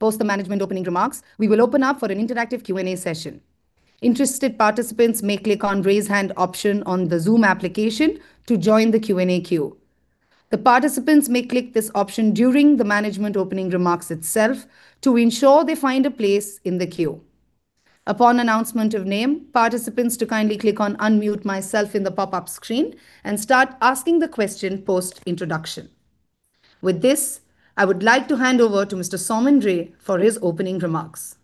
Post the management opening remarks, we will open up for an interactive Q&A session. Interested participants may click on Raise Hand option on the Zoom application to join the Q&A queue. The participants may click this option during the management opening remarks itself to ensure they find a place in the queue. Upon announcement of name, participants to kindly click on Unmute Myself in the pop-up screen and start asking the question post-introduction. With this, I would like to hand over to Mr. Soumen Ray for his opening remarks.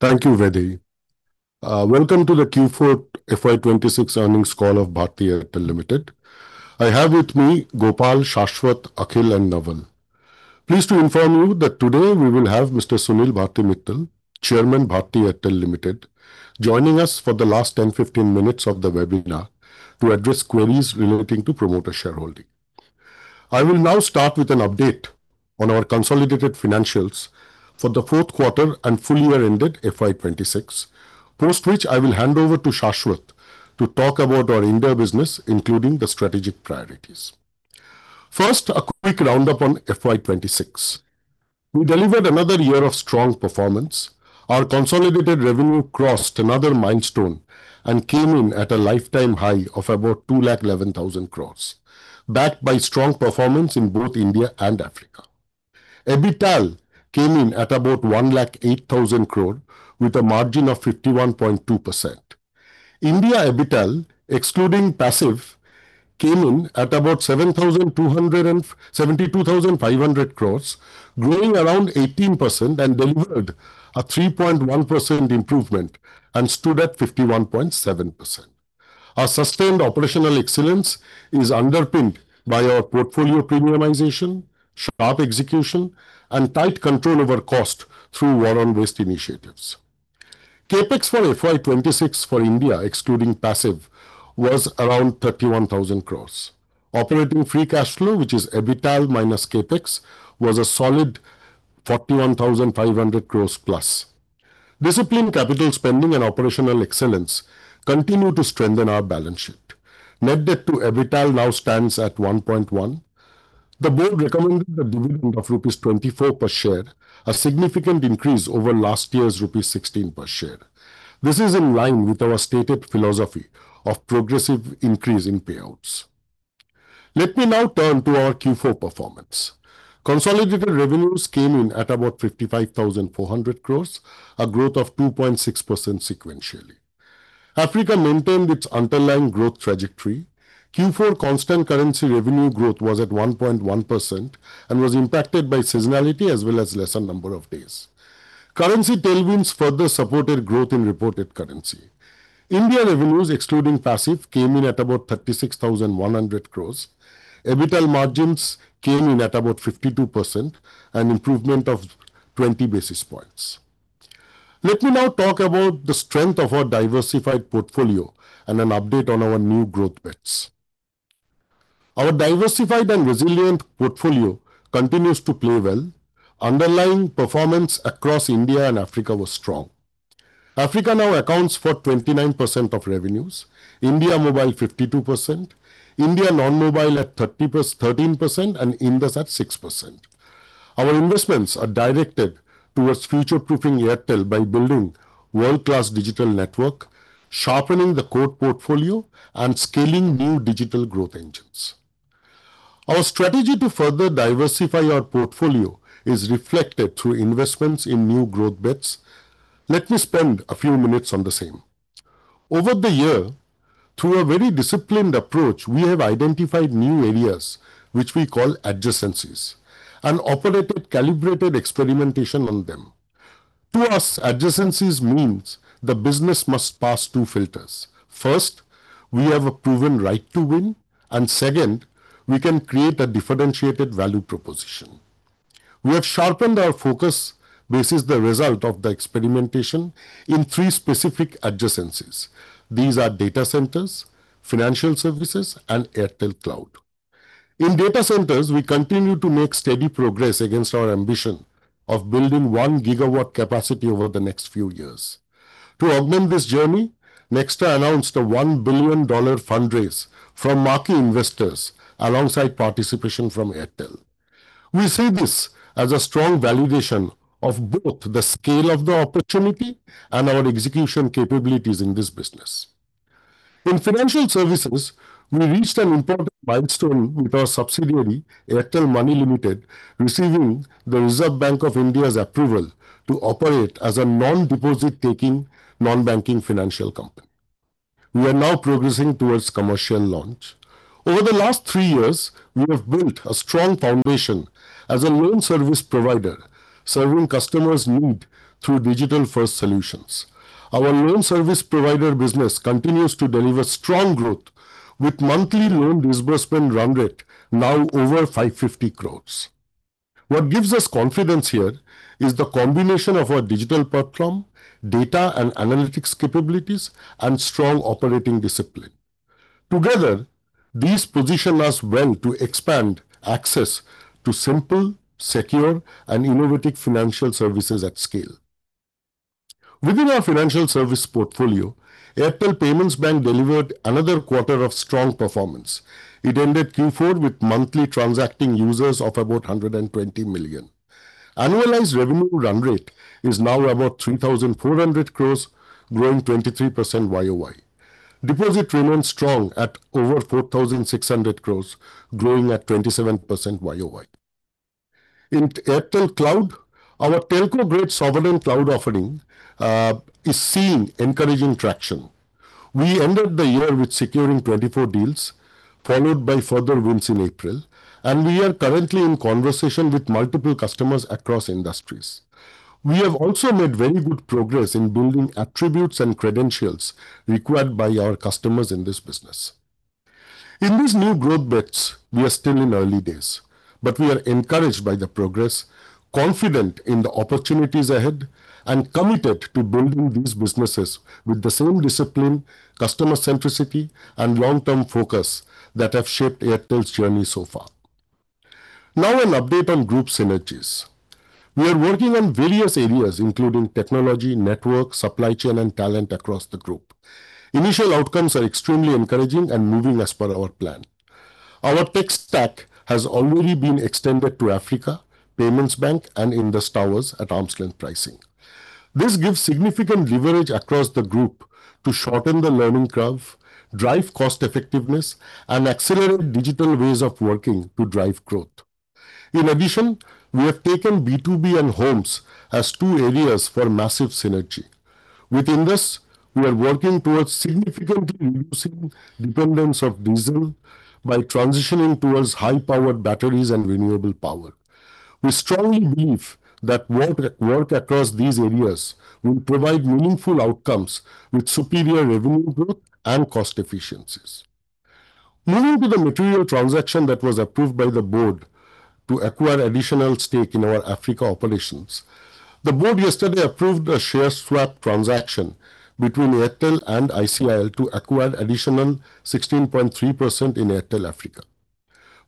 Thank you, Vaidehi. Welcome to the Q4 FY 2026 earnings call of Bharti Airtel Limited. I have with me Gopal, Shashwat, Akhil and Navan. Pleased to inform you that today we will have Mr. Sunil Bharti Mittal, Chairman, Bharti Airtel Limited, joining us for the last 10-15 minutes of the webinar to address queries relating to promoter shareholding. I will now start with an update on our consolidated financials for the fourth quarter and full year ended FY 2026, post which I will hand over to Shashwat to talk about our India business, including the strategic priorities. First, a quick roundup on FY 2026. We delivered another year of strong performance. Our consolidated revenue crossed another milestone and came in at a lifetime high of about 211,000 crores, backed by strong performance in both India and Africa. EBITDA came in at about 1,08,000 crore with a margin of 51.2%. India EBITDA, excluding passive, came in at about 7,272,500 crore, growing around 18% and delivered a 3.1% improvement and stood at 51.7%. Our sustained operational excellence is underpinned by our portfolio premiumization, sharp execution and tight control over cost through war on waste initiatives. CapEx for FY 2026 for India, excluding passive, was around 31,000 crore. Operating free cash flow, which is EBITDA minus CapEx, was a solid 41,500 crore+. Disciplined capital spending and operational excellence continue to strengthen our balance sheet. Net debt to EBITDA now stands at 1.1. The board recommended a dividend of rupees 24 per share, a significant increase over last year's rupees 16 per share. This is in line with our stated philosophy of progressive increase in payouts. Let me now turn to our Q4 performance. Consolidated revenues came in at about 55,400 crores, a growth of 2.6% sequentially. Africa maintained its underlying growth trajectory. Q4 constant currency revenue growth was at 1.1% and was impacted by seasonality as well as lesser number of days. Currency tailwinds further supported growth in reported currency. India revenues, excluding passive, came in at about 36,100 crores. EBITDA margins came in at about 52%, an improvement of 20 basis points. Let me now talk about the strength of our diversified portfolio and an update on our new growth bets. Our diversified and resilient portfolio continues to play well. Underlying performance across India and Africa was strong. Africa now accounts for 29% of revenues, India mobile 52%, India non-mobile at 13% and Indus at 6%. Our investments are directed towards future-proofing Airtel by building world-class digital network, sharpening the core portfolio and scaling new digital growth engines. Our strategy to further diversify our portfolio is reflected through investments in new growth bets. Let me spend a few minutes on the same. Over the year, through a very disciplined approach, we have identified new areas, which we call adjacencies, and operated calibrated experimentation on them. To us, adjacencies means the business must pass two filters. First, we have a proven right to win, and second, we can create a differentiated value proposition. We have sharpened our focus, this is the result of the experimentation, in three specific adjacencies. These are data centers, financial services, and Airtel Cloud. In data centers, we continue to make steady progress against our ambition of building 1 GW capacity over the next few years. To augment this journey, Nxtra announced a $1 billion fundraise from marquee investors alongside participation from Airtel. We see this as a strong validation of both the scale of the opportunity and our execution capabilities in this business. In financial services, we reached an important milestone with our subsidiary, Airtel Money Limited, receiving the Reserve Bank of India's approval to operate as a non-deposit taking non-banking financial company. We are now progressing towards commercial launch. Over the last three years, we have built a strong foundation as a loan service provider, serving customers' need through digital-first solutions. Our loan service provider business continues to deliver strong growth with monthly loan disbursement run rate now over 550 crores. What gives us confidence here is the combination of our digital platform, data and analytics capabilities, and strong operating discipline. Together, these position us well to expand access to simple, secure, and innovative financial services at scale. Within our financial service portfolio, Airtel Payments Bank delivered another quarter of strong performance. It ended Q4 with monthly transacting users of about 120 million. Annualized revenue run rate is now about 3,400 crores, growing 23% YoY. Deposit remains strong at over 4,600 crores, growing at 27% YoY. In Airtel Cloud, our telco-grade sovereign cloud offering is seeing encouraging traction. We ended the year with securing 24 deals, followed by further wins in April, and we are currently in conversation with multiple customers across industries. We have also made very good progress in building attributes and credentials required by our customers in this business. In these new growth bets, we are still in early days, but we are encouraged by the progress, confident in the opportunities ahead, and committed to building these businesses with the same discipline, customer centricity, and long-term focus that have shaped Airtel's journey so far. Now, an update on Group synergies. We are working on various areas, including technology, network, supply chain, and talent across the group. Initial outcomes are extremely encouraging and moving as per our plan. Our tech stack has already been extended to Africa, Payments Bank, and Indus Towers at arm's-length pricing. This gives significant leverage across the group to shorten the learning curve, drive cost effectiveness, and accelerate digital ways of working to drive growth. In addition, we have taken B2B and homes as two areas for massive synergy. Within this, we are working towards significantly reducing dependence of diesel by transitioning towards high-powered batteries and renewable power. We strongly believe that work across these areas will provide meaningful outcomes with superior revenue growth and cost efficiencies. Moving to the material transaction that was approved by the board to acquire additional stake in our Africa operations. The board yesterday approved a share swap transaction between Airtel and ICIL to acquire additional 16.3% in Airtel Africa.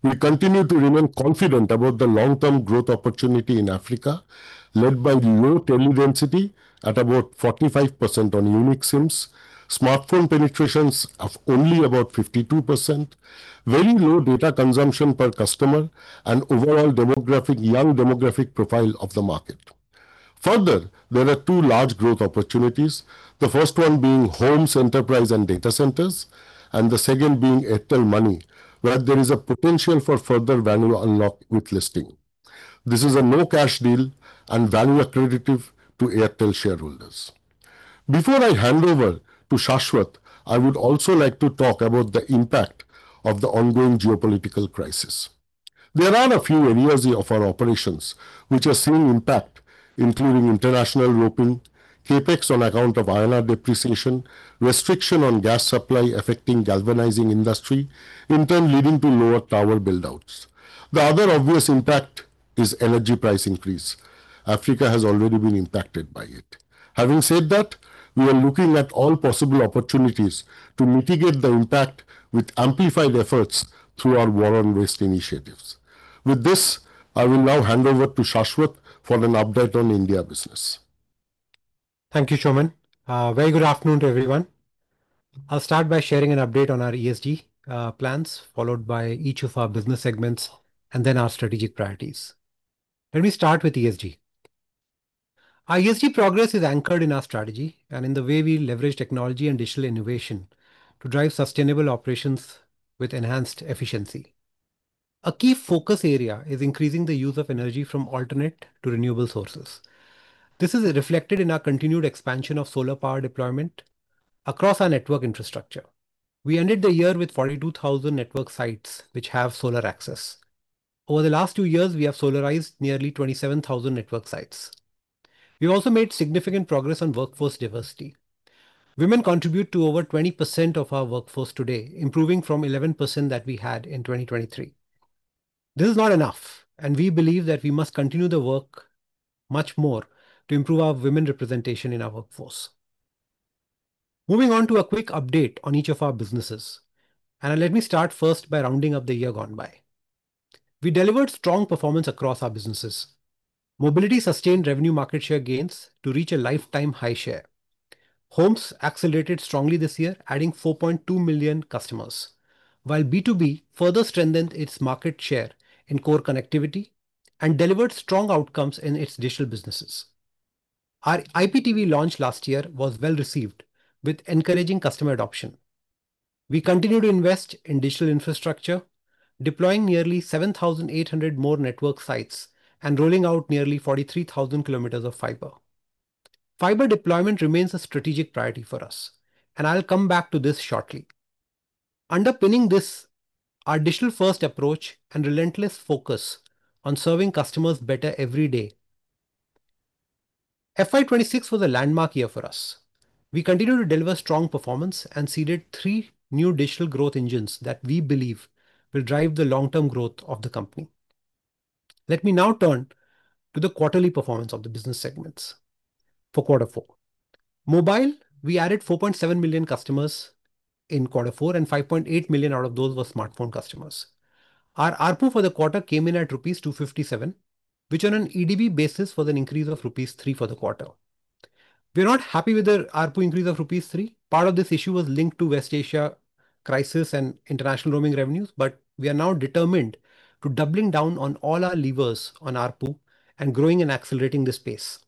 We continue to remain confident about the long-term growth opportunity in Africa, led by low tele-density at about 45% on unique SIMs, smartphone penetrations of only about 52%, very low data consumption per customer, and overall young demographic profile of the market. Further, there are two large growth opportunities, the first one being homes, enterprise, and data centers, and the second being Airtel Money, where there is a potential for further value unlock with listing. This is a no-cash deal and value accretive to Airtel shareholders. Before I hand over to Shashwat, I would also like to talk about the impact of the ongoing geopolitical crisis. There are a few areas of our operations which are seeing impact, including international roaming, CapEx on account of INR depreciation, restriction on gas supply affecting galvanizing industry, in turn leading to lower tower build-outs. The other obvious impact is energy price increase. Africa has already been impacted by it. Having said that, we are looking at all possible opportunities to mitigate the impact with amplified efforts through our War on Waste initiatives. With this, I will now hand over to Shashwat for an update on India business. Thank you, Soumen. Very good afternoon to everyone. I'll start by sharing an update on our ESG plans, followed by each of our business segments, and then our strategic priorities. Let me start with ESG. Our ESG progress is anchored in our strategy and in the way we leverage technology and digital innovation to drive sustainable operations with enhanced efficiency. A key focus area is increasing the use of energy from alternate to renewable sources. This is reflected in our continued expansion of solar power deployment across our network infrastructure. We ended the year with 42,000 network sites which have solar access. Over the last two years, we have solarized nearly 27,000 network sites. We've also made significant progress on workforce diversity. Women contribute to over 20% of our workforce today, improving from 11% that we had in 2023. This is not enough. We believe that we must continue the work much more to improve our women representation in our workforce. Moving on to a quick update on each of our businesses, and let me start first by rounding up the year gone by. We delivered strong performance across our businesses. Mobility sustained revenue market share gains to reach a lifetime high share. Homes accelerated strongly this year, adding 4.2 million customers, while B2B further strengthened its market share in core connectivity and delivered strong outcomes in its digital businesses. Our IPTV launch last year was well received with encouraging customer adoption. We continue to invest in digital infrastructure, deploying nearly 7,800 more network sites and rolling out nearly 43,000 km of fiber. Fiber deployment remains a strategic priority for us, and I'll come back to this shortly. Underpinning this, our digital-first approach and relentless focus on serving customers better every day. FY 2026 was a landmark year for us. We continued to deliver strong performance and seeded three new digital growth engines that we believe will drive the long-term growth of the company. Let me now turn to the quarterly performance of the business segments for quarter four. Mobile, we added 4.7 million customers in quarter four and 5.8 million out of those were smartphone customers. Our ARPU for the quarter came in at rupees 257, which on an EBITDA basis was an increase of rupees 3 for the quarter. We are not happy with the ARPU increase of rupees 3. Part of this issue was linked to West Asia crisis and international roaming revenues. We are now determined to doubling down on all our levers on ARPU and growing and accelerating this pace.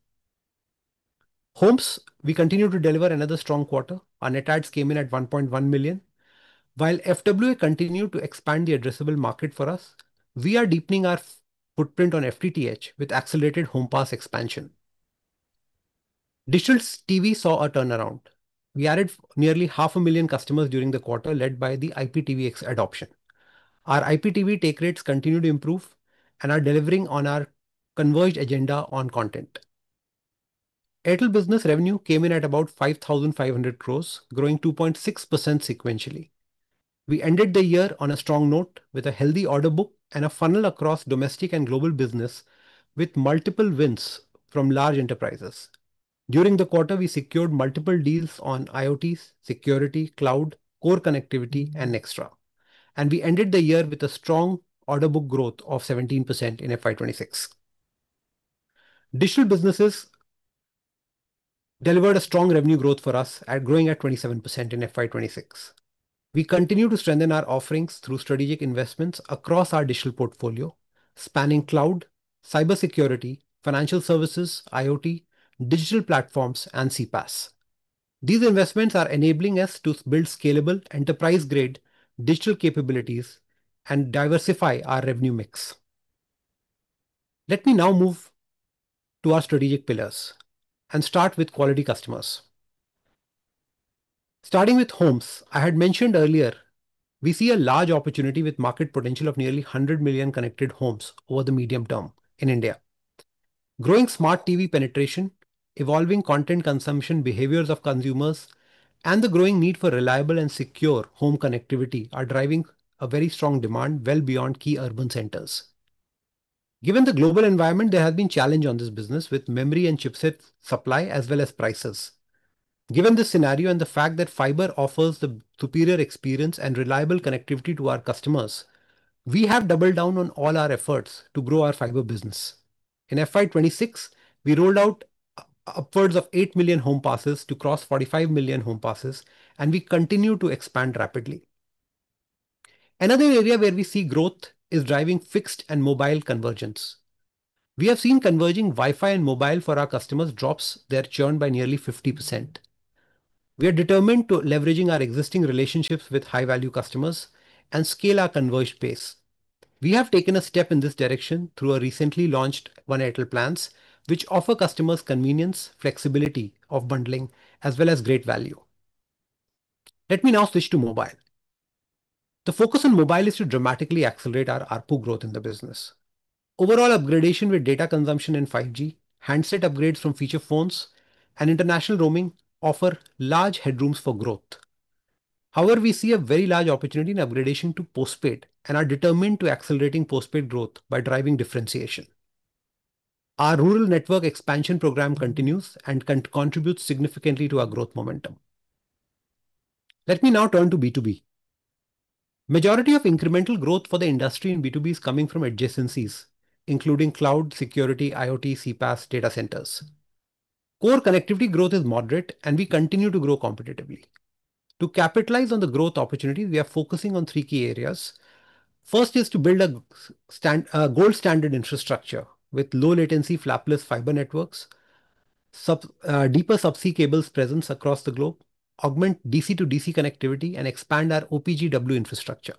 Homes, we continue to deliver another strong quarter. Our net adds came in at 1.1 million. While FWA continued to expand the addressable market for us, we are deepening our footprint on FTTH with accelerated home pass expansion. Digital TV saw a turnaround. We added nearly 500,000 customers during the quarter, led by the IPTV adoption. Our IPTV take rates continue to improve and are delivering on our converged agenda on content. Airtel Business revenue came in at about 5,500 crores, growing 2.6% sequentially. We ended the year on a strong note with a healthy order book and a funnel across domestic and global business with multiple wins from large enterprises. During the quarter, we secured multiple deals on IoT, security, cloud, core connectivity, and Nxtra. We ended the year with a strong order book growth of 17% in FY 2026. Digital businesses delivered a strong revenue growth for us at growing at 27% in FY 2026. We continue to strengthen our offerings through strategic investments across our digital portfolio, spanning cloud, cybersecurity, financial services, IoT, digital platforms, and CPaaS. These investments are enabling us to build scalable enterprise-grade digital capabilities and diversify our revenue mix. Let me now move to our strategic pillars and start with quality customers. Starting with homes, I had mentioned earlier, we see a large opportunity with market potential of nearly 100 million connected homes over the medium term in India. Growing smart TV penetration, evolving content consumption behaviors of consumers, and the growing need for reliable and secure home connectivity are driving a very strong demand well beyond key urban centers. Given the global environment, there has been challenge on this business with memory and chipset supply as well as prices. Given this scenario and the fact that fiber offers the superior experience and reliable connectivity to our customers, we have doubled down on all our efforts to grow our fiber business. In FY 2026, we rolled out upwards of 8 million home passes to cross 45 million home passes, and we continue to expand rapidly. Another area where we see growth is driving fixed and mobile convergence. We have seen converging Wi-Fi and mobile for our customers drops their churn by nearly 50%. We are determined to leveraging our existing relationships with high-value customers and scale our converge base. We have taken a step in this direction through our recently launched One Airtel plans, which offer customers convenience, flexibility of bundling, as well as great value. Let me now switch to mobile. The focus on mobile is to dramatically accelerate our ARPU growth in the business. Overall upgradation with data consumption and 5G, handset upgrades from feature phones and international roaming offer large headrooms for growth. We see a very large opportunity in upgradation to postpaid and are determined to accelerating postpaid growth by driving differentiation. Our rural network expansion program continues and contributes significantly to our growth momentum. Let me now turn to B2B. Majority of incremental growth for the industry in B2B is coming from adjacencies, including cloud, security, IoT, CPaaS, data centers. Core connectivity growth is moderate. We continue to grow competitively. To capitalize on the growth opportunity, we are focusing on three key areas. First is to build a gold standard infrastructure with low latency flapless fiber networks, sub, deeper subsea cables presence across the globe, augment DC to DC connectivity and expand our OPGW infrastructure.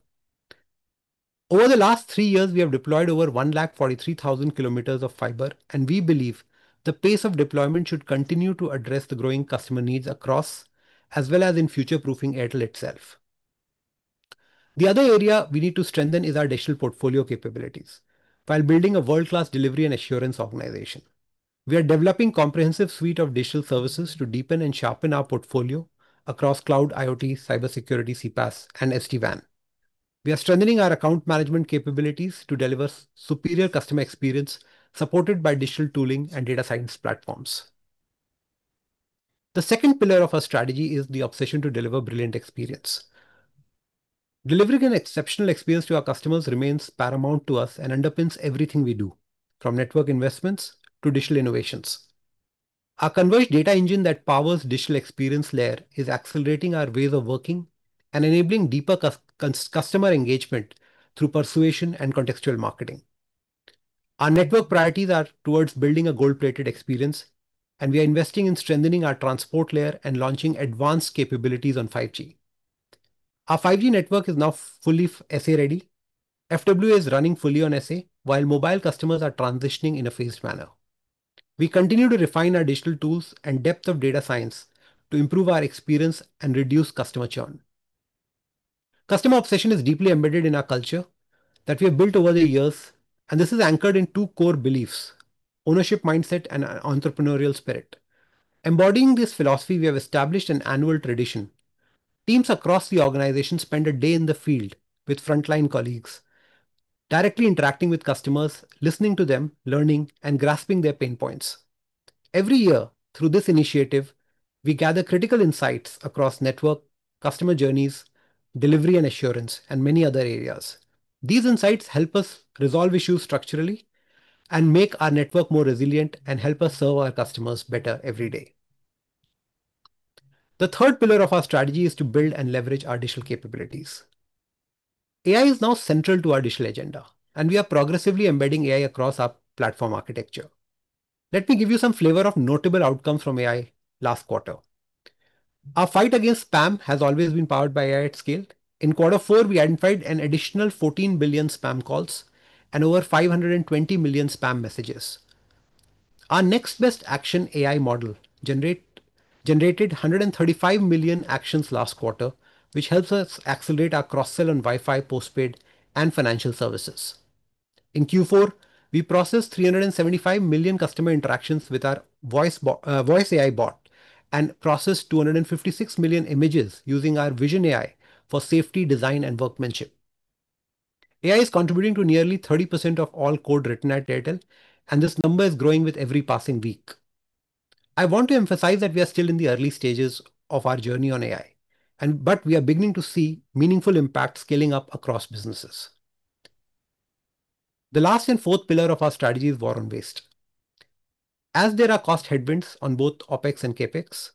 Over the last three years, we have deployed over 1 lakh 43,000 km of fiber, and we believe the pace of deployment should continue to address the growing customer needs across, as well as in future-proofing Airtel itself. The other area we need to strengthen is our digital portfolio capabilities while building a world-class delivery and assurance organization. We are developing comprehensive suite of digital services to deepen and sharpen our portfolio across cloud, IoT, cybersecurity, CPaaS, and SD-WAN. We are strengthening our account management capabilities to deliver superior customer experience supported by digital tooling and data science platforms. The second pillar of our strategy is the obsession to deliver brilliant experience. Delivering an exceptional experience to our customers remains paramount to us and underpins everything we do, from network investments to digital innovations. Our converged data engine that powers digital experience layer is accelerating our ways of working and enabling deeper customer engagement through persuasion and contextual marketing. Our network priorities are towards building a gold-plated experience, and we are investing in strengthening our transport layer and launching advanced capabilities on 5G. Our 5G network is now fully SA ready. FWA is running fully on SA, while mobile customers are transitioning in a phased manner. We continue to refine our digital tools and depth of data science to improve our experience and reduce customer churn. Customer obsession is deeply embedded in our culture that we have built over the years, and this is anchored in two core beliefs: ownership mindset and entrepreneurial spirit. Embodying this philosophy, we have established an annual tradition. Teams across the organization spend a day in the field with frontline colleagues, directly interacting with customers, listening to them, learning, and grasping their pain points. Every year through this initiative we gather critical insights across network, customer journeys, delivery and assurance, and many other areas. These insights help us resolve issues structurally and make our network more resilient and help us serve our customers better every day. The third pillar of our strategy is to build and leverage our digital capabilities. AI is now central to our digital agenda, and we are progressively embedding AI across our platform architecture. Let me give you some flavor of notable outcomes from AI last quarter. Our fight against spam has always been powered by AI at scale. In quarter four, we identified an additional 14 billion spam calls and over 520 million spam messages. Our next best action AI model generated 135 million actions last quarter, which helps us accelerate our cross-sell and Wi-Fi postpaid and financial services. In Q4, we processed 375 million customer interactions with our voice AI bot and processed 256 million images using our vision AI for safety, design and workmanship. AI is contributing to nearly 30% of all code written at Airtel, but we are beginning to see meaningful impact scaling up across businesses. The last and fourth pillar of our strategy is war on waste. As there are cost headwinds on both OpEx and CapEx,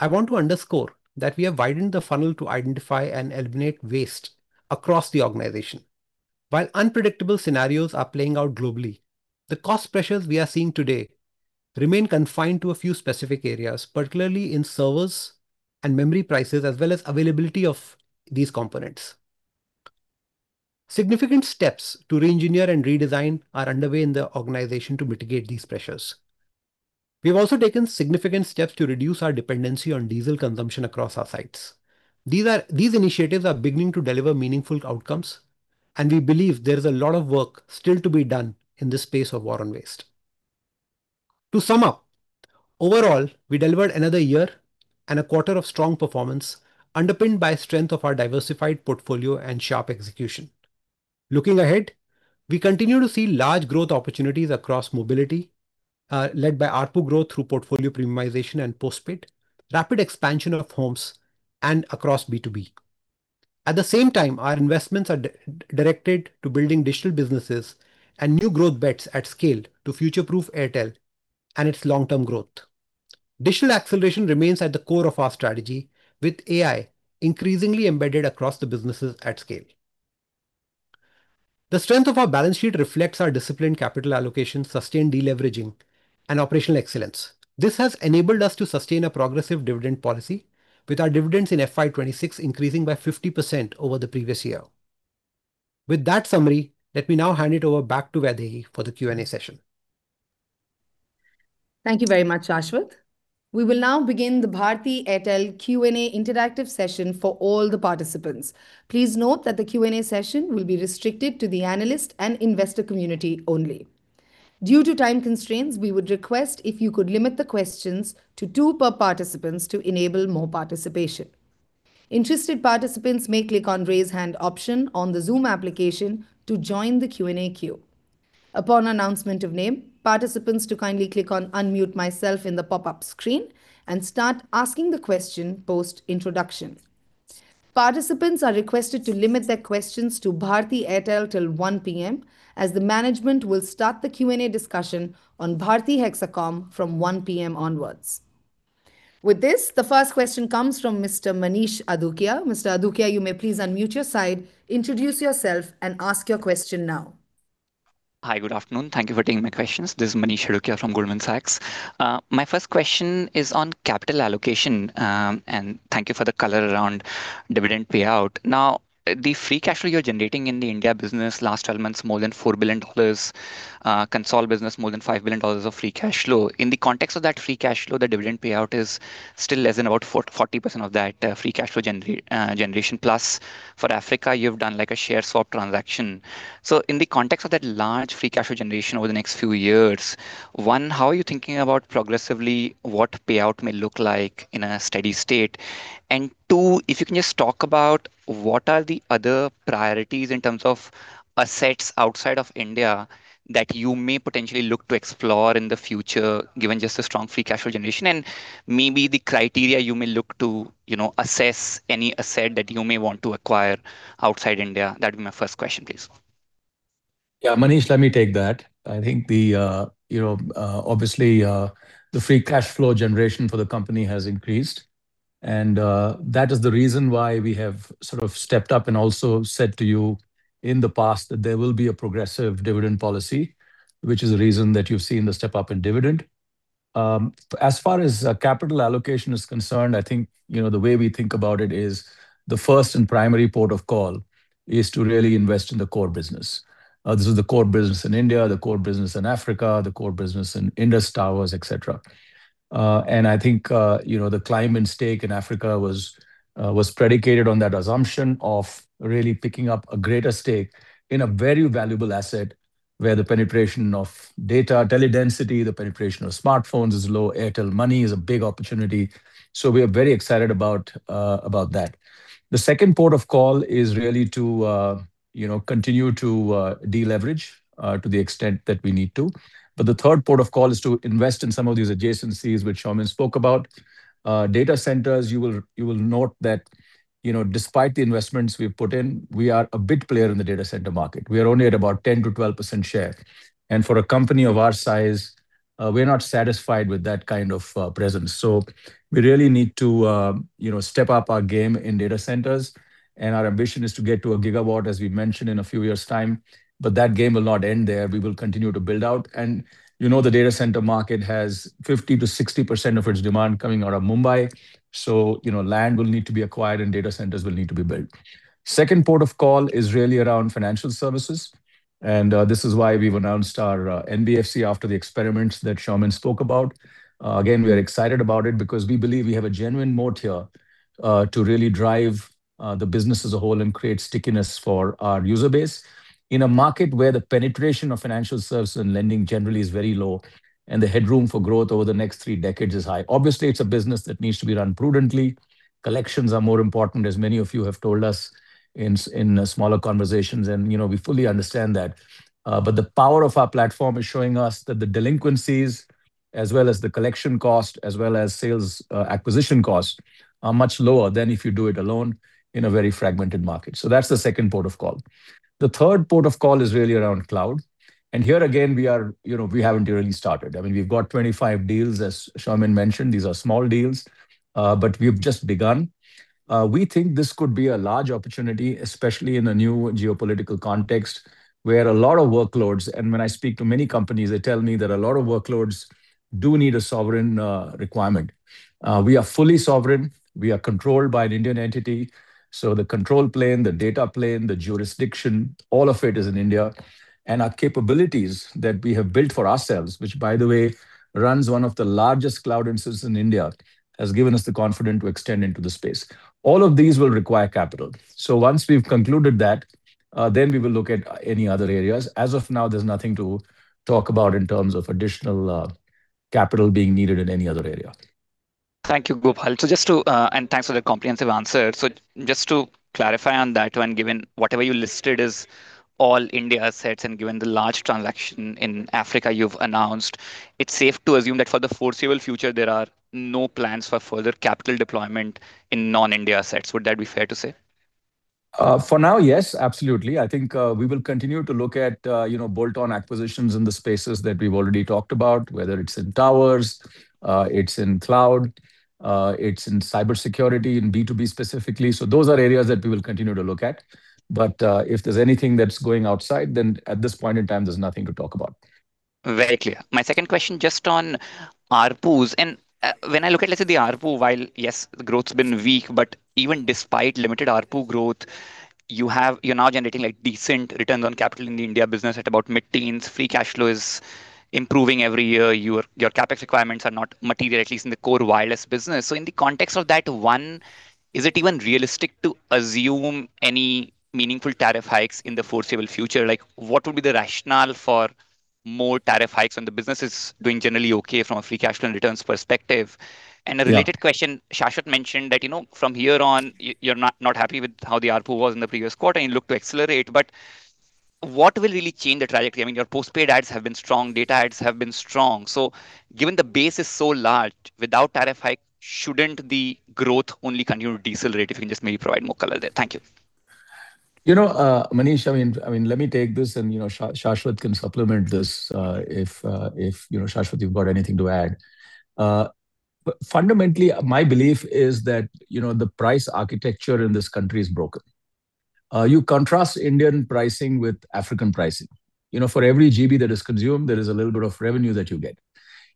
I want to underscore that we have widened the funnel to identify and eliminate waste across the organization. While unpredictable scenarios are playing out globally, the cost pressures we are seeing today remain confined to a few specific areas, particularly in servers and memory prices, as well as availability of these components. Significant steps to re-engineer and redesign are underway in the organization to mitigate these pressures. We've also taken significant steps to reduce our dependency on diesel consumption across our sites. These initiatives are beginning to deliver meaningful outcomes, and we believe there is a lot of work still to be done in the space of war on waste. To sum up, overall, we delivered another year and a quarter of strong performance underpinned by strength of our diversified portfolio and sharp execution. Looking ahead, we continue to see large growth opportunities across mobility, led by ARPU growth through portfolio premiumization and postpaid, rapid expansion of homes and across B2B. At the same time, our investments are directed to building digital businesses and new growth bets at scale to future-proof Airtel and its long-term growth. Digital acceleration remains at the core of our strategy, with AI increasingly embedded across the businesses at scale. The strength of our balance sheet reflects our disciplined capital allocation, sustained deleveraging and operational excellence. This has enabled us to sustain a progressive dividend policy with our dividends in FY 2026 increasing by 50% over the previous year. With that summary, let me now hand it over back to Vaidehi for the Q&A session. Thank you very much, Shashwat. We will now begin the Bharti Airtel Q&A interactive session for all the participants. Please note that the Q&A session will be restricted to the analyst and investor community only. Due to time constraints, we would request if you could limit the questions to two per participants to enable more participation. Interested participants may click on Raise Hand option on the Zoom application to join the Q&A queue. Upon announcement of name, participants to kindly click on Unmute Myself in the pop-up screen and start asking the question post-introduction. Participants are requested to limit their questions to Bharti Airtel till 1:00 P.M., as the management will start the Q&A discussion on Bharti Hexacom from 1:00 P.M. onwards. With this, the first question comes from Mr. Manish Adukia. Mr. Adukia, you may please unmute your side, introduce yourself and ask your question now. Hi. Good afternoon. Thank you for taking my questions. This is Manish Adukia from Goldman Sachs. My first question is on capital allocation. Thank you for the color around dividend payout. Now, the free cash flow you're generating in the India business, last 12 months more than $4 billion, consol business more than $5 billion of free cash flow. In the context of that free cash flow, the dividend payout is still less than about 40% of that free cash flow generation. For Africa, you've done like a share swap transaction. In the context of that large free cash flow generation over the next few years, one, how are you thinking about progressively what payout may look like in a steady state? Two, if you can just talk about what are the other priorities in terms of assets outside of India that you may potentially look to explore in the future, given just the strong free cash flow generation, and maybe the criteria you may look to, you know, assess any asset that you may want to acquire outside India? That would be my first question, please. Yeah, Manish, let me take that. I think the, you know, obviously, the free cash flow generation for the company has increased. That is the reason why we have sort of stepped up and also said to you in the past that there will be a progressive dividend policy, which is the reason that you've seen the step up in dividend. As far as capital allocation is concerned, I think, you know, the way we think about it is the first and primary port of call is to really invest in the core business. This is the core business in India, the core business in Africa, the core business in Indus Towers, et cetera. I think, you know, the climate stake in Africa was predicated on that assumption of really picking up a greater stake in a very valuable asset. Where the penetration of data, tele-density, the penetration of smartphones is low. Airtel Money is a big opportunity. We are very excited about that. The second port of call is really to, you know, continue to deleverage to the extent that we need to. The third port of call is to invest in some of these adjacencies which Soumen spoke about. Data centers, you will note that, you know, despite the investments we've put in, we are a big player in the data center market. We are only at about 10%-12% share. For a company of our size, we're not satisfied with that kind of presence. We really need to, you know, step up our game in data centers, and our ambition is to get to a gigawatt, as we've mentioned, in a few years' time. That game will not end there. We will continue to build out. You know, the data center market has 50%-60% of its demand coming out of Mumbai, so, you know, land will need to be acquired and data centers will need to be built. Second port of call is really around financial services, and this is why we've announced our NBFC after the experiments that Soumen spoke about. Again, we are excited about it because we believe we have a genuine moat here to really drive the business as a whole and create stickiness for our user base in a market where the penetration of financial services and lending generally is very low and the headroom for growth over the next three decades is high. Obviously, it's a business that needs to be run prudently. Collections are more important, as many of you have told us in smaller conversations, and, you know, we fully understand that. The power of our platform is showing us that the delinquencies, as well as the collection cost, as well as sales acquisition cost, are much lower than if you do it alone in a very fragmented market. That's the second port of call. The third port of call is really around cloud. Here again, we are, you know, we haven't really started. I mean, we've got 25 deals, as Soumen mentioned. These are small deals, but we've just begun. We think this could be a large opportunity, especially in a new geopolitical context, where a lot of workloads, and when I speak to many companies, they tell me that a lot of workloads do need a sovereign, requirement. We are fully sovereign. We are controlled by an Indian entity, so the control plane, the data plane, the jurisdiction, all of it is in India. Our capabilities that we have built for ourselves, which by the way, runs one of the largest cloud instances in India, has given us the confidence to extend into the space. All of these will require capital. Once we've concluded that, then we will look at any other areas. As of now, there's nothing to talk about in terms of additional capital being needed in any other area. Thank you, Gopal. Thanks for the comprehensive answer. Just to clarify on that one, given whatever you listed is all India assets and given the large transaction in Africa you've announced, it's safe to assume that for the foreseeable future, there are no plans for further capital deployment in non-India assets. Would that be fair to say? For now, yes, absolutely. I think, we will continue to look at, you know, bolt-on acquisitions in the spaces that we've already talked about, whether it's in towers, it's in cloud, it's in cybersecurity, in B2B specifically. Those are areas that we will continue to look at. If there's anything that's going outside, then at this point in time, there's nothing to talk about. Very clear. My second question just on ARPUs, when I look at, let’s say, the ARPU, while yes, the growth’s been weak, but even despite limited ARPU growth, you’re now generating like decent returns on capital in the India business at about mid-teens. Free cash flow is improving every year. Your CapEx requirements are not material, at least in the core wireless business. In the context of that, one, is it even realistic to assume any meaningful tariff hikes in the foreseeable future? Like, what would be the rationale for more tariff hikes when the business is doing generally okay from a free cash flow and returns perspective? Yeah. A related question, Shashwat mentioned that, you know, from here on you're not happy with how the ARPU was in the previous quarter and you look to accelerate. What will really change the trajectory? I mean, your postpaid adds have been strong, data adds have been strong. Given the base is so large, without tariff hike, shouldn't the growth only continue to decelerate? If you can just maybe provide more color there. Thank you. You know, Manish, I mean, let me take this and, you know, Shashwat can supplement this, if, you know, Shashwat, you've got anything to add. Fundamentally, my belief is that, you know, the price architecture in this country is broken. You contrast Indian pricing with African pricing. You know, for every GB that is consumed, there is a little bit of revenue that you get.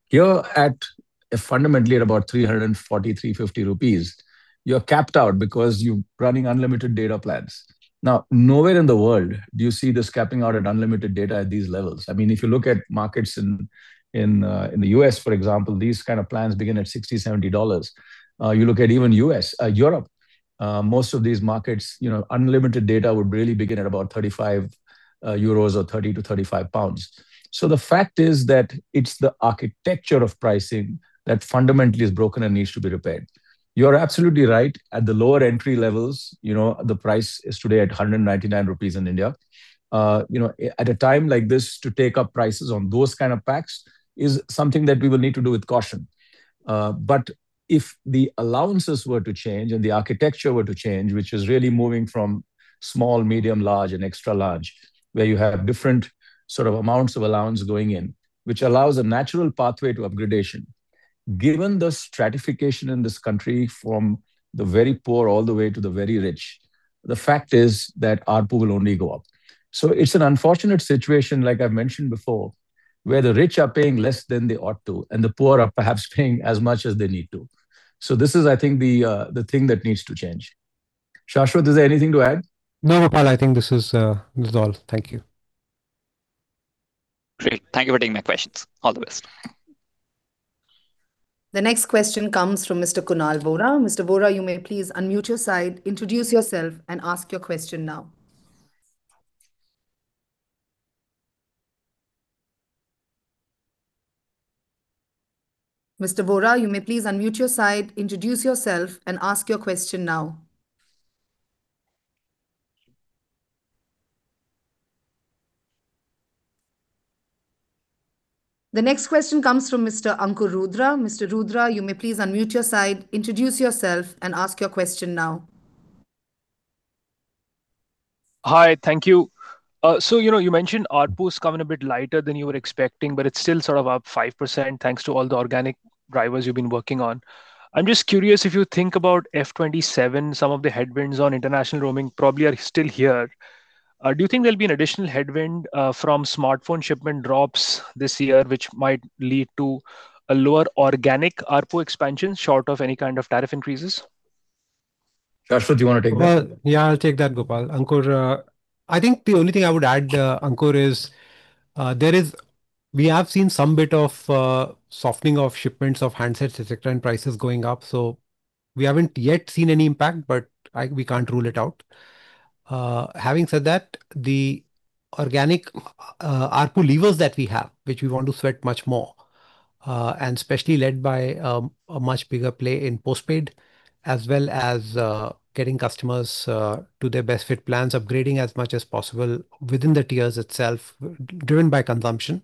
Here fundamentally at about 340 rupees, 350 rupees, you're capped out because you're running unlimited data plans. Nowhere in the world do you see this capping out at unlimited data at these levels. I mean, if you look at markets in the U.S., for example, these kind of plans begin at $60, $70. You look at even U.S., Europe, most of these markets, you know, unlimited data would really begin at about 35 euros or 30-35 pounds. The fact is that it's the architecture of pricing that fundamentally is broken and needs to be repaired. You're absolutely right. At the lower entry levels, you know, the price is today at 199 rupees in India. You know, at a time like this, to take up prices on those kind of packs is something that we will need to do with caution. If the allowances were to change and the architecture were to change, which is really moving from small, medium, large and extra-large, where you have different sort of amounts of allowance going in, which allows a natural pathway to upgradation. Given the stratification in this country from the very poor all the way to the very rich, the fact is that ARPU will only go up. It's an unfortunate situation, like I've mentioned before, where the rich are paying less than they ought to and the poor are perhaps paying as much as they need to. This is, I think, the thing that needs to change. Shashwat, is there anything to add? No, Gopal, I think this is, this is all. Thank you. Great. Thank you for taking my questions. All the best. The next question comes from Mr. Kunal Vora. Mr. Vora, you may please unmute your side, introduce yourself, and ask your question now. Mr. Vora, you may please unmute your side, introduce yourself, and ask your question now. The next question comes from Mr. Ankur Rudra. Mr. Rudra, you may please unmute your side, introduce yourself, and ask your question now. Hi. Thank you. You know, you mentioned ARPU is coming a bit lighter than you were expecting, but it's still sort of up 5% thanks to all the organic drivers you've been working on. I'm just curious, if you think about FY 2027, some of the headwinds on international roaming probably are still here. Do you think there'll be an additional headwind from smartphone shipment drops this year, which might lead to a lower organic ARPU expansion short of any kind of tariff increases? Shashwat, do you wanna take that? Yeah, I'll take that, Gopal. Ankur, I think the only thing I would add, Ankur, is We have seen some bit of softening of shipments of handsets, et cetera, and prices going up, so we haven't yet seen any impact, but we can't rule it out. Having said that, the organic ARPU levers that we have, which we want to sweat much more, and especially led by a much bigger play in postpaid as well as getting customers to their best fit plans, upgrading as much as possible within the tiers itself, driven by consumption.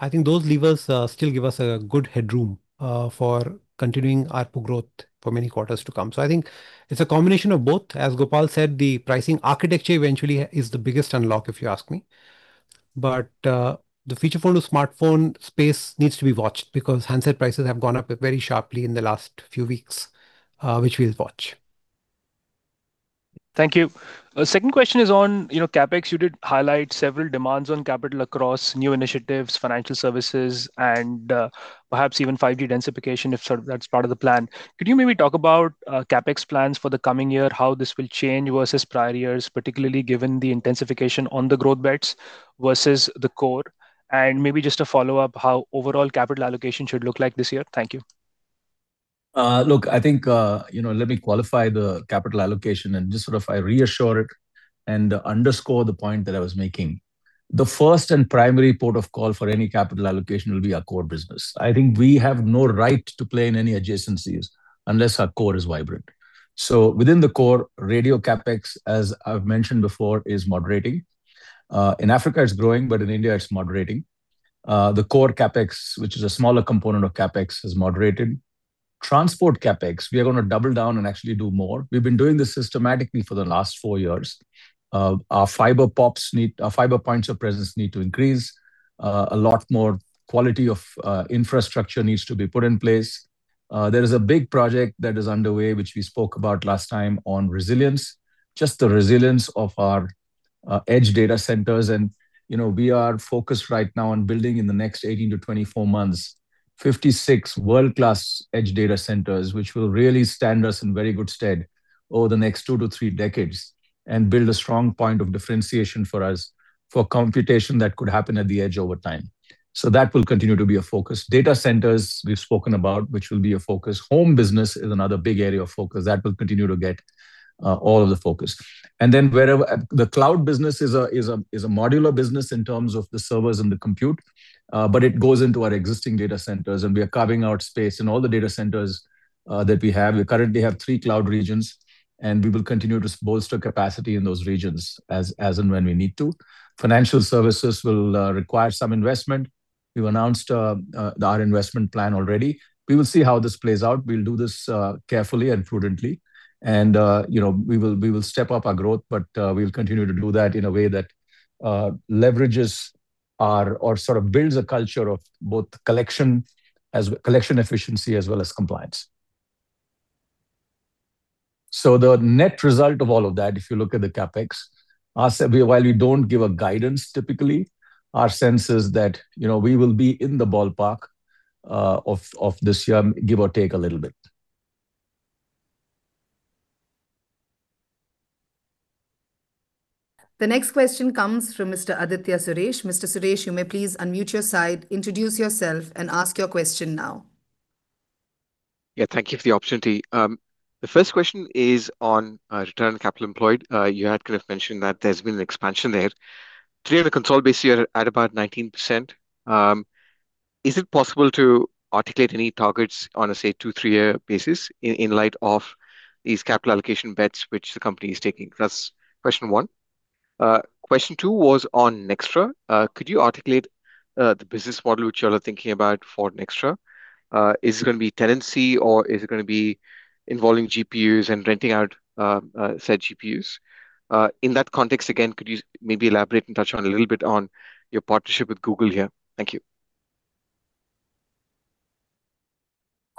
I think those levers still give us a good headroom for continuing ARPU growth for many quarters to come. I think it's a combination of both. As Gopal said, the pricing architecture eventually is the biggest unlock, if you ask me. The feature phone to smartphone space needs to be watched because handset prices have gone up very sharply in the last few weeks, which we'll watch. Thank you. Second question is on, you know, CapEx. You did highlight several demands on capital across new initiatives, financial services, and perhaps even 5G densification if sort of that's part of the plan. Could you maybe talk about CapEx plans for the coming year, how this will change versus prior years, particularly given the intensification on the growth bets versus the core? Maybe just to follow up, how overall capital allocation should look like this year. Thank you. Look, I think, you know, let me qualify the capital allocation and just sort of I reassure it and underscore the point that I was making. The first and primary port of call for any capital allocation will be our core business. I think we have no right to play in any adjacencies unless our core is vibrant. Within the core, radio CapEx, as I've mentioned before, is moderating. In Africa it's growing, but in India it's moderating. The core CapEx, which is a smaller component of CapEx, is moderated. Transport CapEx, we are gonna double down and actually do more. We've been doing this systematically for the last four years. Our fiber POPs, our fiber points of presence need to increase. A lot more quality of infrastructure needs to be put in place. There is a big project that is underway, which we spoke about last time, on resilience, just the resilience of our edge data centers. You know, we are focused right now on building in the next 18-24 months 56 world-class edge data centers, which will really stand us in very good stead over the next two to three decades and build a strong point of differentiation for us for computation that could happen at the edge over time. That will continue to be a focus. Data centers we've spoken about, which will be a focus. Home business is another big area of focus. That will continue to get all of the focus. The cloud business is a modular business in terms of the servers and the compute, but it goes into our existing data centers. We are carving out space in all the data centers that we have. We currently have three cloud regions, and we will continue to bolster capacity in those regions as and when we need to. Financial services will require some investment. We've announced our investment plan already. We will see how this plays out. We'll do this carefully and prudently, you know, we will step up our growth, but we'll continue to do that in a way that leverages our or sort of builds a culture of both collection efficiency as well as compliance. The net result of all of that, if you look at the CapEx, while we don't give a guidance typically, our sense is that, you know, we will be in the ballpark of this year, give or take a little bit. The next question comes from Mr. Aditya Suresh. Mr. Suresh, you may please unmute your side, introduce yourself, and ask your question now. Yeah, thank you for the opportunity. The first question is on return on capital employed. You had kind of mentioned that there's been an expansion there. Today on a consolidated base, you're at about 19%. Is it possible to articulate any targets on a, say, two, three year basis in light of these capital allocation bets which the company is taking? That's question one. Question two was on Nxtra. Could you articulate the business model which you all are thinking about for Nxtra? Is it gonna be tenancy or is it gonna be involving GPUs and renting out said GPUs? In that context, again, could you maybe elaborate and touch on a little bit on your partnership with Google here? Thank you.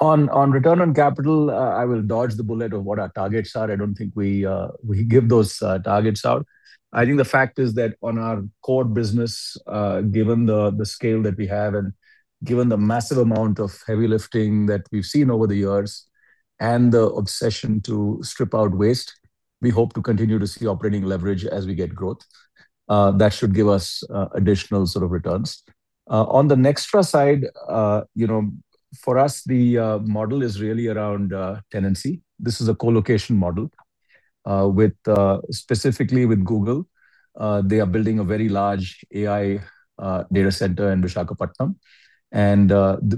On return on capital, I will dodge the bullet of what our targets are. I don't think we give those targets out. I think the fact is that on our core business, given the scale that we have and given the massive amount of heavy lifting that we've seen over the years and the obsession to strip out waste. We hope to continue to see operating leverage as we get growth. That should give us additional sort of returns. On the Nxtra side, you know, for us the model is really around tenancy. This is a co-location model, with specifically with Google. They are building a very large AI data center in Visakhapatnam and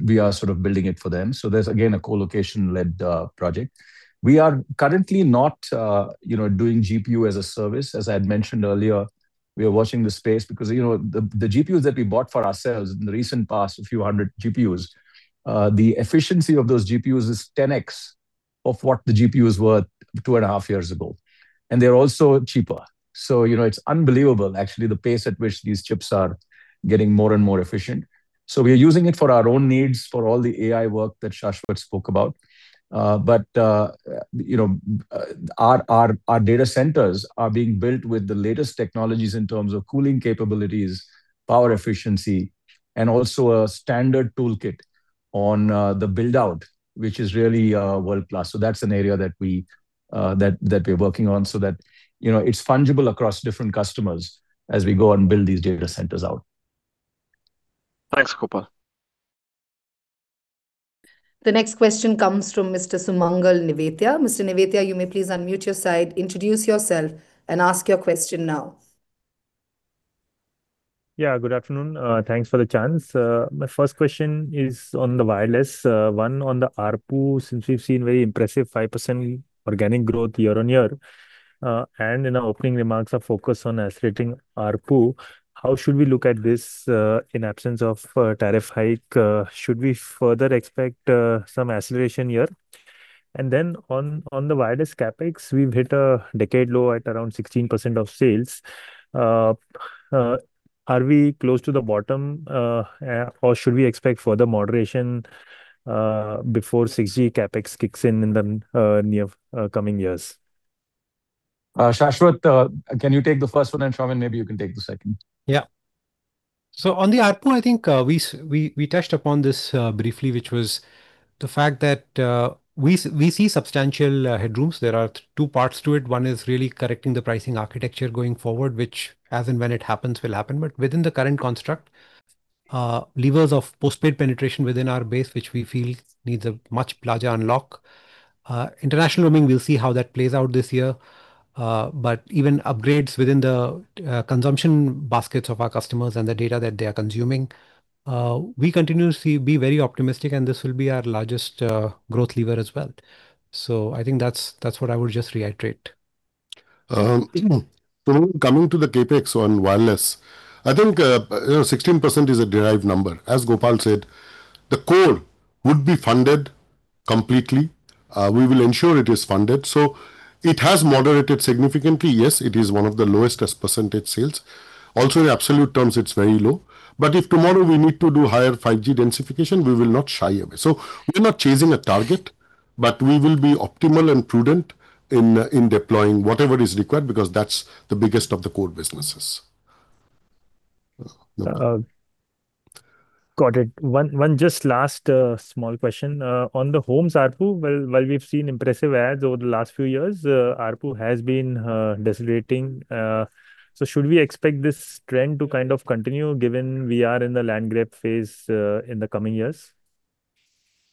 we are sort of building it for them. There's again a co-location led project. We are currently not, you know, doing GPU as a service. As I had mentioned earlier, we are watching the space because, you know, the GPUs that we bought for ourselves in the recent past, a few hundred GPUs, the efficiency of those GPUs is 10x of what the GPUs were two and a half years ago, and they're also cheaper. You know, it's unbelievable actually the pace at which these chips are getting more and more efficient. We are using it for our own needs, for all the AI work that Shashwat spoke about. You know, our data centers are being built with the latest technologies in terms of cooling capabilities, power efficiency, and also a standard toolkit on the build-out, which is really world-class. That's an area that we're working on so that, you know, it's fungible across different customers as we go and build these data centers out. Thanks, Gopal. The next question comes from Mr. Sumangal Nevatia. Mr. Nevatia, you may please unmute your side, introduce yourself and ask your question now. Yeah, good afternoon. Thanks for the chance. My first question is on the wireless, one on the ARPU, since we've seen very impressive 5% organic growth YoY. In our opening remarks, our focus on accelerating ARPU, how should we look at this in absence of a tariff hike? Should we further expect some acceleration here? Then on the wireless CapEx, we've hit a decade low at around 16% of sales. Are we close to the bottom, or should we expect further moderation before 6G CapEx kicks in in the near coming years? Shashwat, can you take the first one, and Soumen, maybe you can take the second. Yeah. On the ARPU, I think, we touched upon this briefly, which was the fact that, we see substantial headrooms. There are two parts to it. One is really correcting the pricing architecture going forward, which as and when it happens, will happen. Within the current construct, levers of postpaid penetration within our base, which we feel needs a much larger unlock. International roaming, we'll see how that plays out this year. Even upgrades within the consumption baskets of our customers and the data that they are consuming, we continue to see, be very optimistic, and this will be our largest growth lever as well. I think that's what I would just reiterate. Coming to the CapEx on wireless, I think 16% is a derived number. As Gopal said, the core would be funded completely. We will ensure it is funded. It has moderated significantly. Yes, it is one of the lowest as percentage sales. In absolute terms, it is very low. If tomorrow we need to do higher 5G densification, we will not shy away. We are not chasing a target, but we will be optimal and prudent in deploying whatever is required, because that is the biggest of the core businesses. Got it. One just last small question. On the homes ARPU, while we've seen impressive adds over the last few years, ARPU has been decelerating. Should we expect this trend to kind of continue given we are in the land grab phase in the coming years?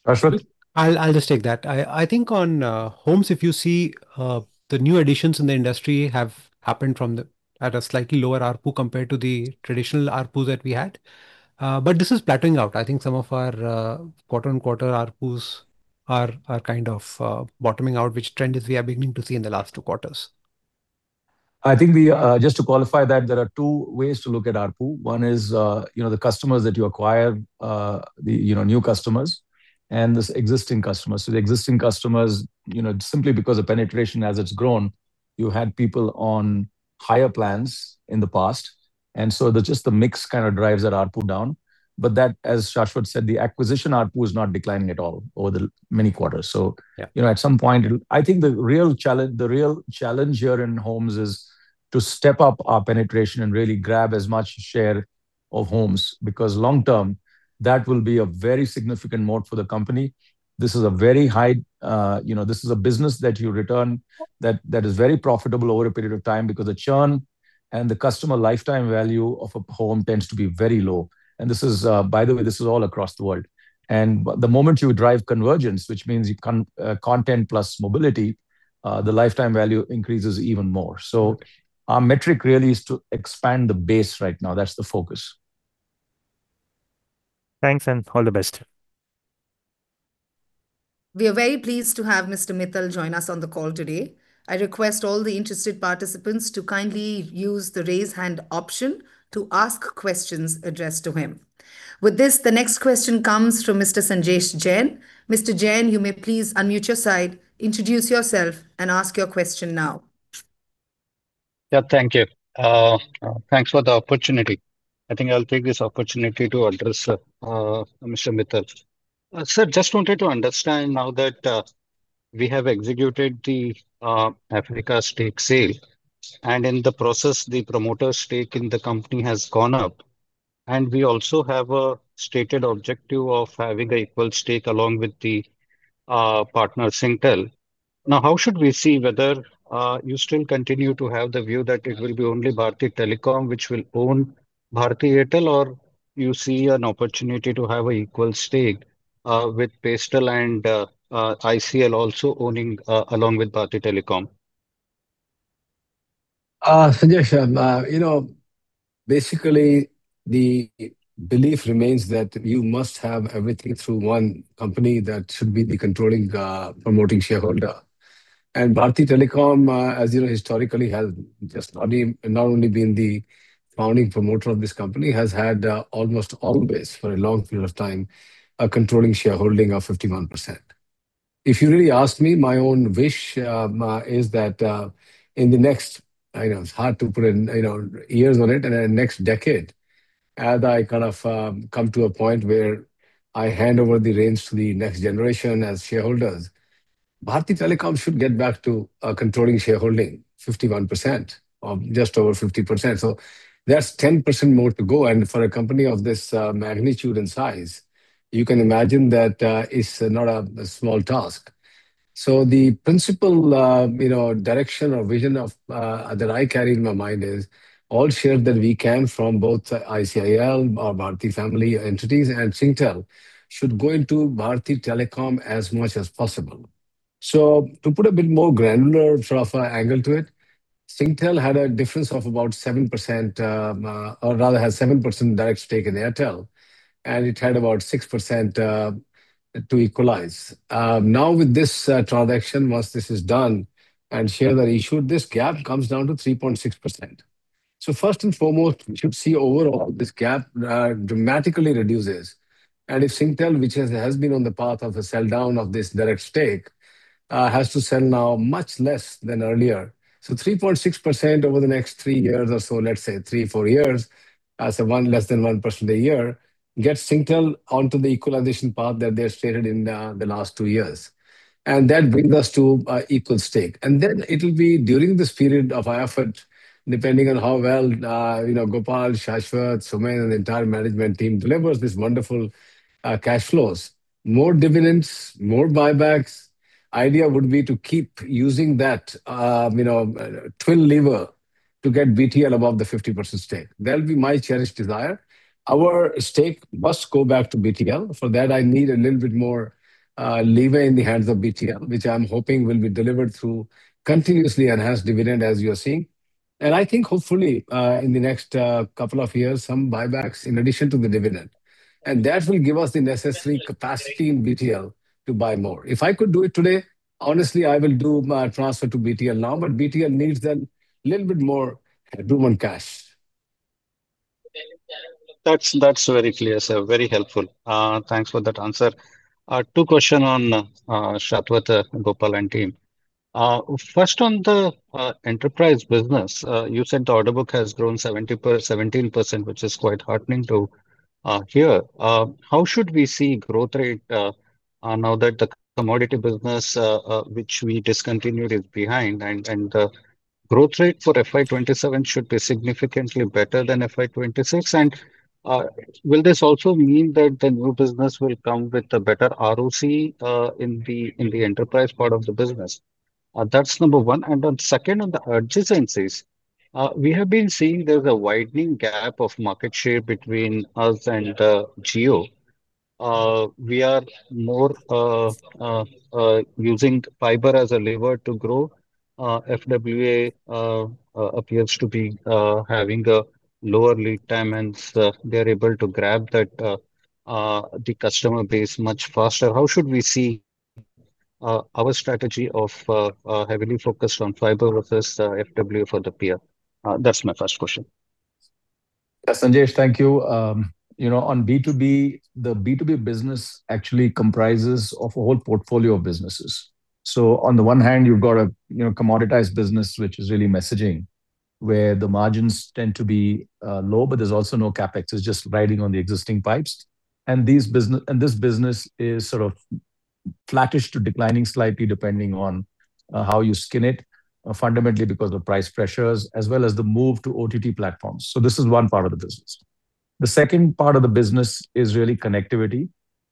Shashwat? I'll just take that. I think on homes, if you see the new additions in the industry have happened from a slightly lower ARPU compared to the traditional ARPUs that we had. This is plateauing out. I think some of our quarter-on-quarter ARPUs are kind of bottoming out, which trend we are beginning to see in the last two quarters. I think we just to qualify that, there are two ways to look at ARPU. One is, you know, the customers that you acquire, the, you know, new customers and these existing customers. The existing customers, you know, simply because of penetration as it's grown, you had people on higher plans in the past, and so the just the mix kind of drives that ARPU down. But that, as Shashwat said, the acquisition ARPU is not declining at all over the many quarters. Yeah you know, at some point it'll I think the real challenge here in homes is to step up our penetration and really grab as much share of homes, because long-term that will be a very significant moat for the company. This is a very high, you know, this is a business that is very profitable over a period of time because the churn and the customer lifetime value of a home tends to be very low. This is, by the way, this is all across the world. The moment you drive convergence, which means you content plus mobility, the lifetime value increases even more. Our metric really is to expand the base right now. That's the focus. Thanks, and all the best. We are very pleased to have Mr. Mittal join us on the call today. I request all the interested participants to kindly use the raise hand option to ask questions addressed to him. With this, the next question comes from Mr. Sanjesh Jain. Mr. Jain, you may please unmute your side, introduce yourself and ask your question now. Yeah, thank you. Thanks for the opportunity. I think I'll take this opportunity to address Mr. Mittal. Sir, just wanted to understand now that we have executed the Africa stake sale, and in the process, the promoter stake in the company has gone up. We also have a stated objective of having an equal stake along with the partner Singtel. Now, how should we see whether you still continue to have the view that it will be only Bharti Telecom which will own Bharti Airtel, or you see an opportunity to have an equal stake with Pastel and ICIL also owning along with Bharti Telecom? Sanjesh, you know, basically the belief remains that you must have everything through one company that should be the controlling promoting shareholder. Bharti Telecom, as you know historically, has just not only been the founding promoter of this company, has had almost always for a long period of time, a controlling shareholding of 51%. If you really ask me, my own wish is that in the next I know it's hard to put in, you know, years on it, and next decade, as I kind of come to a point where I hand over the reins to the next generation as shareholders, Bharti Telecom should get back to controlling shareholding 51%, or just over 50%. There's 10% more to go, and for a company of this magnitude and size, you can imagine that it's not a small task. The principle, you know, direction or vision that I carry in my mind is all shares that we can from both ICIL or Bharti family entities and Singtel should go into Bharti Telecom as much as possible. To put a bit more granular sort of angle to it, Singtel had a difference of about 7%, or rather has 7% direct stake in Airtel, and it had about 6% to equalize. Now with this transaction, once this is done and share the issue, this gap comes down to 3.6%. First and foremost, we should see overall this gap dramatically reduces. If Singtel, which has been on the path of a sell down of this direct stake, has to sell now much less than earlier. 3.6% over the next three years or so, let's say three, four years, less than 1% a year, gets Singtel onto the equalization path that they stated in the last two years. That brings us to equal stake. Then it'll be during this period of our effort, depending on how well, you know, Gopal, Shashwat, Soumen and the entire management team delivers these wonderful cash flows, more dividends, more buybacks. Idea would be to keep using that, you know, twin lever to get BTL above the 50% stake. That'll be my cherished desire. Our stake must go back to BTL. For that, I need a little bit more lever in the hands of BTL, which I'm hoping will be delivered through continuously enhanced dividend as you are seeing. I think hopefully, in the next couple of years, some buybacks in addition to the dividend. That will give us the necessary capacity in BTL to buy more. If I could do it today, honestly, I will do my transfer to BTL now, but BTL needs that little bit more headroom on cash. That's, that's very clear, sir. Very helpful. Thanks for that answer. Two question on Shashwat, Gopal, and team. First on the enterprise business, you said the order book has grown 17%, which is quite heartening to hear. How should we see growth rate now that the commodity business which we discontinued is behind and growth rate for FY 2027 should be significantly better than FY 2026? Will this also mean that the new business will come with a better ROC in the enterprise part of the business? That's number one. Then second, on the adjacencies, we have been seeing there's a widening gap of market share between us and Jio. We are more using fiber as a lever to grow. FWA appears to be having a lower lead time, and they are able to grab that the customer base much faster. How should we see our strategy of heavily focused on fiber versus FWA for the peer? That's my first question. Yes, Sanjesh, thank you. You know, on B2B, the B2B business actually comprises of a whole portfolio of businesses. On the one hand, you've got a, you know, commoditized business, which is really messaging, where the margins tend to be low, but there's also no CapEx. It's just riding on the existing pipes. This business is sort of flattish to declining slightly depending on how you skin it, fundamentally because of price pressures as well as the move to OTT platforms. This is one part of the business. The second part of the business is really connectivity,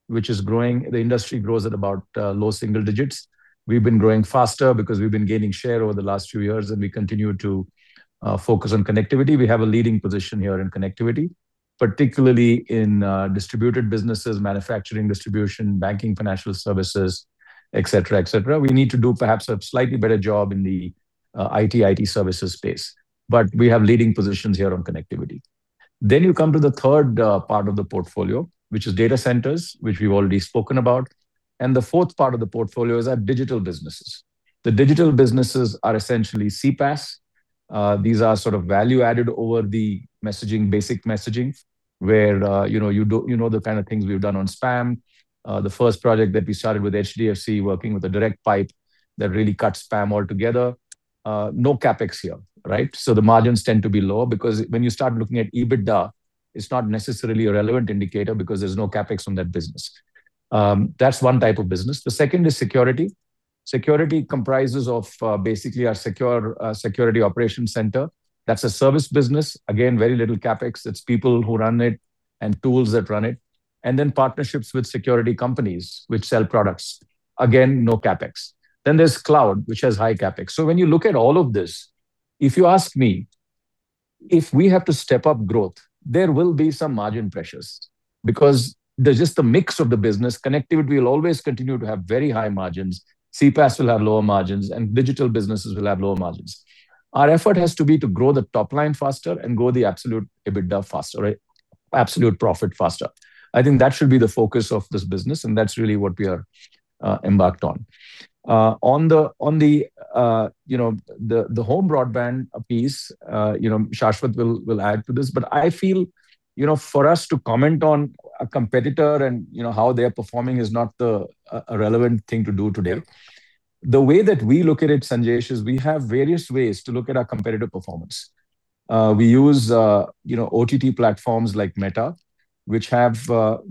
which is growing. The industry grows at about low single digits. We've been growing faster because we've been gaining share over the last few years, and we continue to focus on connectivity. We have a leading position here in connectivity, particularly in distributed businesses, manufacturing distribution, banking financial services, et cetera, et cetera. We need to do perhaps a slightly better job in the IT services space, but we have leading positions here on connectivity. Then you come to the third part of the portfolio, which is data centers, which we've already spoken about, and the fourth part of the portfolio is our digital businesses. The digital businesses are essentially CPaaS. These are sort of value added over the messaging, basic messaging where, you know, you do, you know the kind of things we've done on spam. The first project that we started with HDFC, working with a direct pipe that really cuts spam altogether. No CapEx here, right? The margins tend to be lower because when you start looking at EBITDA, it's not necessarily a relevant indicator because there's no CapEx on that business. That's one type of business. The second is security. Security comprises of, basically our secure, security operation center. That's a service business. Again, very little CapEx. It's people who run it and tools that run it. Then partnerships with security companies which sell products. Again, no CapEx. Then there's cloud, which has high CapEx. When you look at all of this, if you ask me, if we have to step up growth, there will be some margin pressures because there's just a mix of the business. Connectivity will always continue to have very high margins, CPaaS will have lower margins, and digital businesses will have lower margins. Our effort has to be to grow the top line faster and grow the absolute EBITDA faster, right? Absolute profit faster. I think that should be the focus of this business, and that's really what we are, embarked on. On the, you know, the home broadband piece, you know, Shashwat will add to this. But I feel, you know, for us to comment on a competitor and, you know, how they're performing is not the a relevant thing to do today. The way that we look at it, Sanjesh, is we have various ways to look at our competitive performance. We use, you know, OTT platforms like Meta, which have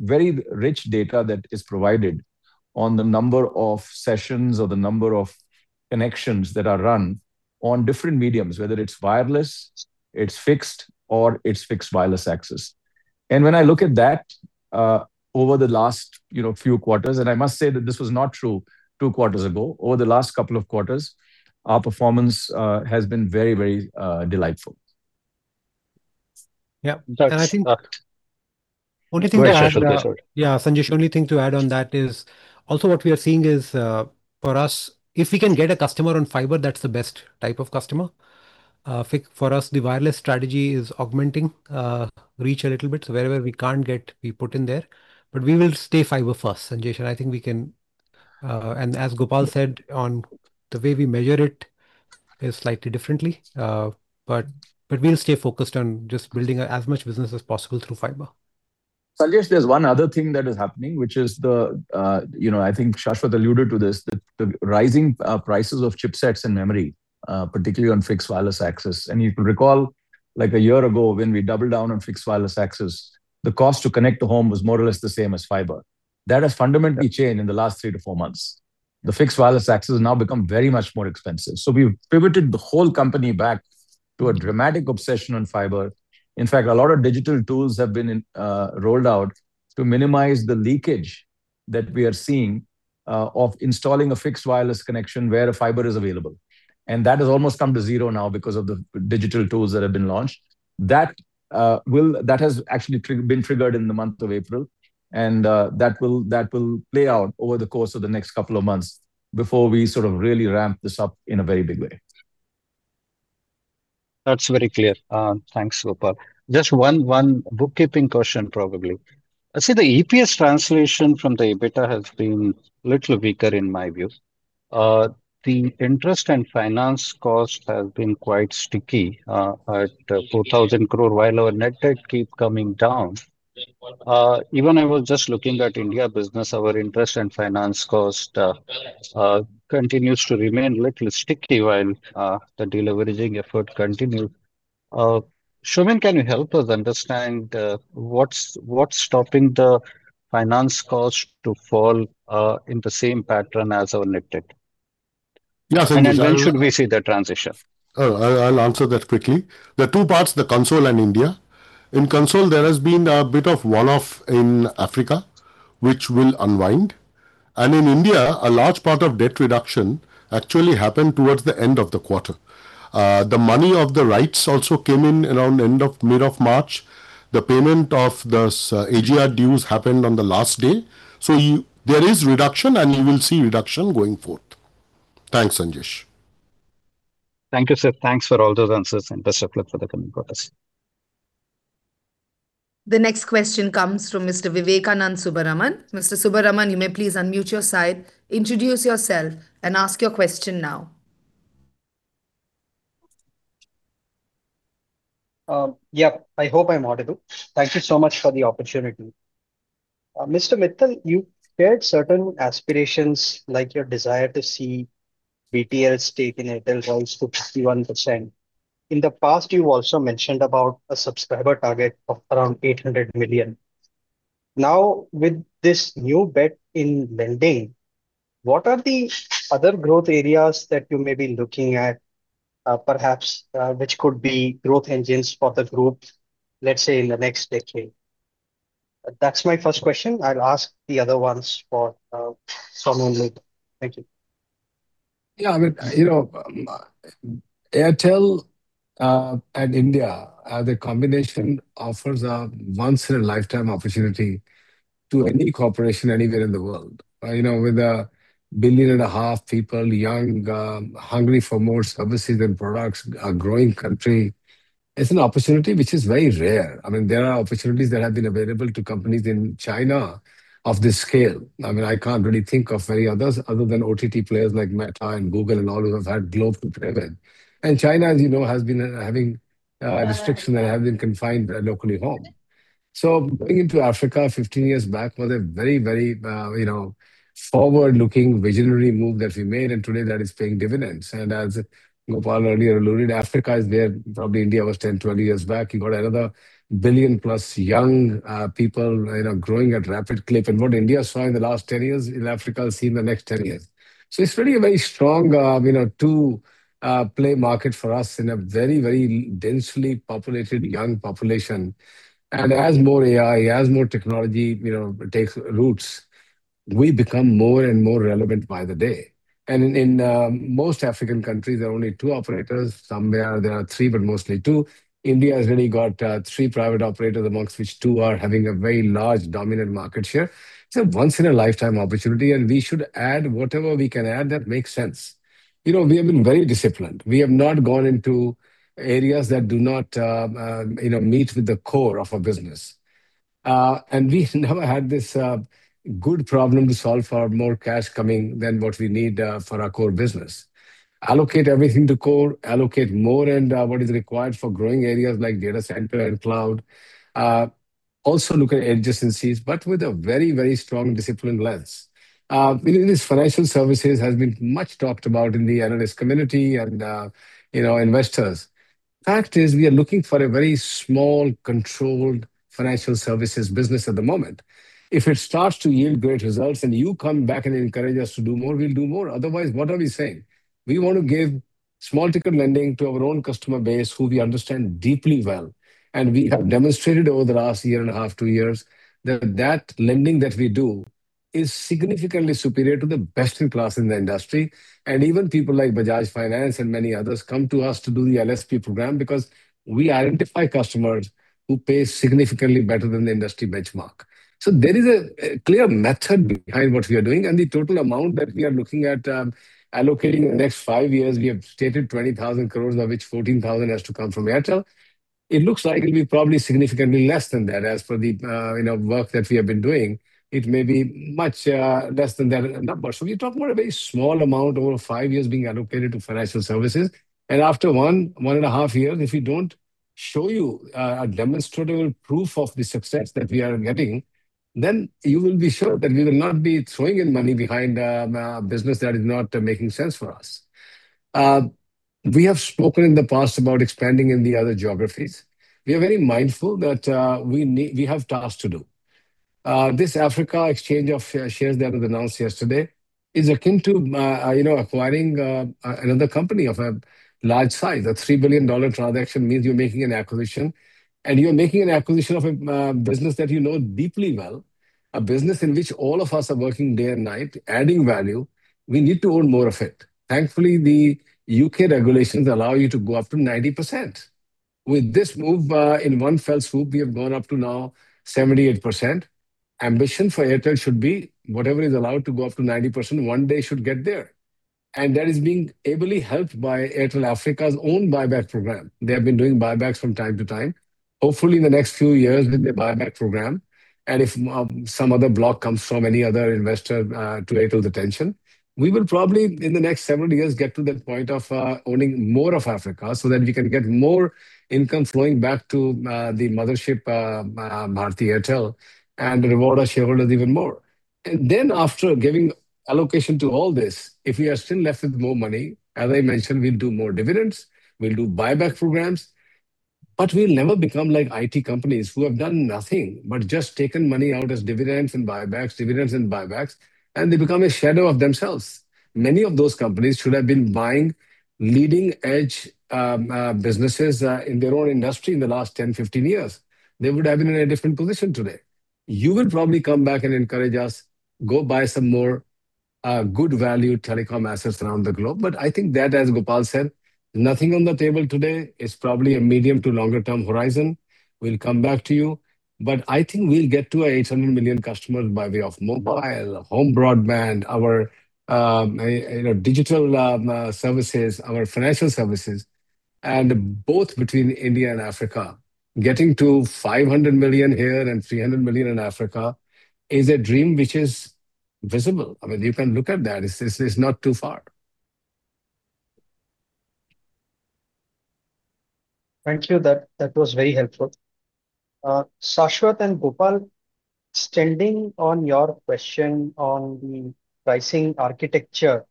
very rich data that is provided on the number of sessions or the number of connections that are run on different mediums, whether it's wireless, it's fixed, or it's fixed wireless access. When I look at that, over the last, you know, few quarters, and I must say that this was not true two quarters ago. Over the last couple of quarters, our performance has been very delightful. Yeah. That's Only thing to add, Sanjesh, only thing to add on that is also what we are seeing is, for us, if we can get a customer on fiber, that's the best type of customer. For us, the wireless strategy is augmenting reach a little bit. Wherever we can't get, we put in there. We will stay fiber first, Sanjesh, and I think we can. As Gopal said on the way we measure it is slightly differently. We'll stay focused on just building as much business as possible through fiber. Sanjesh, there's one other thing that is happening, which is the, you know, I think Shashwat alluded to this, the rising prices of chipsets and memory, particularly on fixed wireless access. You could recall like a year ago when we doubled down on fixed wireless access, the cost to connect the home was more or less the same as fiber. That has fundamentally changed in the last three to four months. The fixed wireless access has now become very much more expensive. We've pivoted the whole company back to a dramatic obsession on fiber. In fact, a lot of digital tools have been rolled out to minimize the leakage that we are seeing of installing a fixed wireless connection where a fiber is available. That has almost come to zero now because of the digital tools that have been launched. That has actually been triggered in the month of April, and that will play out over the course of the next couple of months before we sort of really ramp this up in a very big way. That's very clear. Thanks, Gopal. Just one bookkeeping question, probably. I see the EPS translation from the EBITDA has been a little weaker in my view. The interest and finance cost has been quite sticky, at 4,000 crore, while our net debt keep coming down. Even I was just looking at India business, our interest and finance cost continues to remain a little sticky while the deleveraging effort continue. Soumen, can you help us understand what's stopping the finance cost to fall in the same pattern as our net debt? Yeah, Sanjesh. When should we see that transition? I'll answer that quickly. There are two parts, the Console and India. In Console, there has been a bit of one-off in Africa which will unwind. In India, a large part of debt reduction actually happened towards the end of the quarter. The money of the rights also came in around mid of March. The payment of this AGR dues happened on the last day. There is reduction, and you will see reduction going forth. Thanks, Sanjesh. Thank you, sir. Thanks for all those answers, and best of luck for the coming quarters. The next question comes from Mr. Vivekanand Subbaraman. Mr. Subbaraman, you may please unmute your side, introduce yourself, and ask your question now. Yeah. I hope I'm audible. Thank you so much for the opportunity. Mr. Mittal, you shared certain aspirations like your desire to see BTL stake in Airtel rise to 51%. In the past, you also mentioned about a subscriber target of around 800 million. Now, with this new bet in lending, what are the other growth areas that you may be looking at, perhaps, which could be growth engines for the group, let's say, in the next decade? That's my first question. I'll ask the other ones for someone later. Thank you. I mean, you know, Airtel and India, the combination offers a once in a lifetime opportunity to any corporation anywhere in the world. You know, with 1.5 billion people, young, hungry for more services and products, a growing country, it's an opportunity which is very rare. I mean, there are opportunities that have been available to companies in China of this scale. I mean, I can't really think of many others other than OTT players like Meta and Google and all who have had global presence. China, as you know, has been having restriction that have been confined locally home. Going into Africa 15 years back was a very, very, you know, forward-looking visionary move that we made, and today that is paying dividends. As Gopal earlier alluded, Africa is where probably India was 10, 20 years back. You got another 1,000,000,000+ young people, you know, growing at rapid clip. What India saw in the last 10 years, and Africa will see in the next 10 years. It's really a very strong, you know, to play market for us in a very, very densely populated young population. As more AI, as more technology, you know, takes roots, we become more and more relevant by the day. In most African countries there are only two operators. Somewhere there are three, but mostly two. India has really got three private operators, amongst which two are having a very large dominant market share. It's a once in a lifetime opportunity. We should add whatever we can add that makes sense. You know, we have been very disciplined. We have not gone into areas that do not, you know, meet with the core of our business. We never had this good problem to solve for more cash coming than what we need for our core business. Allocate everything to core, allocate more and what is required for growing areas like data center and cloud. Also look at adjacencies, with a very, very strong disciplined lens. In these financial services has been much talked about in the analyst community and, you know, investors. Fact is, we are looking for a very small, controlled financial services business at the moment. If it starts to yield great results and you come back and encourage us to do more, we'll do more. What are we saying? We want to give small ticket lending to our own customer base who we understand deeply well, and we have demonstrated over the last year and a half, two years that that lending that we do is significantly superior to the best in class in the industry. Even people like Bajaj Finance and many others come to us to do the LSP program because we identify customers who pay significantly better than the industry benchmark. There is a clear method behind what we are doing, and the total amount that we are looking at, allocating the next five years, we have stated 20,000 crores, of which 14,000 crores has to come from Airtel. It looks like it'll be probably significantly less than that. As for the, you know, work that we have been doing, it may be much less than that number. We talk about a very small amount over five years being allocated to financial services. After one, one and a half years, if we don't show you a demonstrative proof of the success that we are getting, then you will be sure that we will not be throwing in money behind a business that is not making sense for us. We have spoken in the past about expanding in the other geographies. We are very mindful that we have tasks to do. This Airtel Africa exchange of shares that was announced yesterday is akin to, you know, acquiring another company of a large size. A $3 billion transaction means you're making an acquisition, and you're making an acquisition of a business that you know deeply well, a business in which all of us are working day and night adding value. We need to own more of it. Thankfully, the U.K. regulations allow you to go up to 90%. With this move, in one fell swoop, we have gone up to now 78%. Ambition for Airtel should be whatever is allowed to go up to 90%, one day should get there. That is being ably helped by Airtel Africa's own buyback program. They have been doing buybacks from time to time. Hopefully, in the next few years with their buyback program and if some other block comes from any other investor to Airtel's attention, we will probably, in the next several years, get to that point of owning more of Africa so that we can get more income flowing back to the mothership, Bharti Airtel and reward our shareholders even more. After giving allocation to all this, if we are still left with more money, as I mentioned, we'll do more dividends, we'll do buyback programs. We'll never become like IT companies who have done nothing but just taken money out as dividends and buybacks, dividends and buybacks, and they become a shadow of themselves. Many of those companies should have been buying leading-edge businesses in their own industry in the last 10, 15 years. They would have been in a different position today. You will probably come back and encourage us, go buy some more good value telecom assets around the globe. As Gopal said, nothing on the table today. It's probably a medium to longer term horizon. We'll come back to you. We'll get to 800 million customers by way of mobile, home broadband, our digital services, our financial services. Between India and Africa, getting to 500 million here and 300 million in Africa is a dream which is visible. I mean, you can look at that. It's not too far. Thank you. That was very helpful. Shashwat and Gopal, extending on your question on the pricing architecture,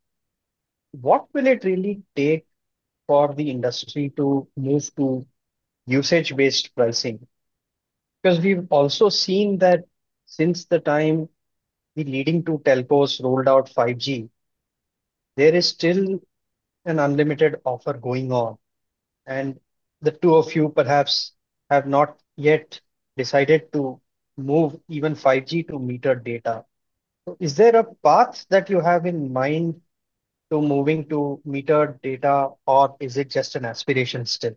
what will it really take for the industry to move to usage-based pricing? Because we've also seen that since the time the leading two telcos rolled out 5G, there is still an unlimited offer going on, and the two of you perhaps have not yet decided to move even 5G to metered data. Is there a path that you have in mind to moving to metered data, or is it just an aspiration still?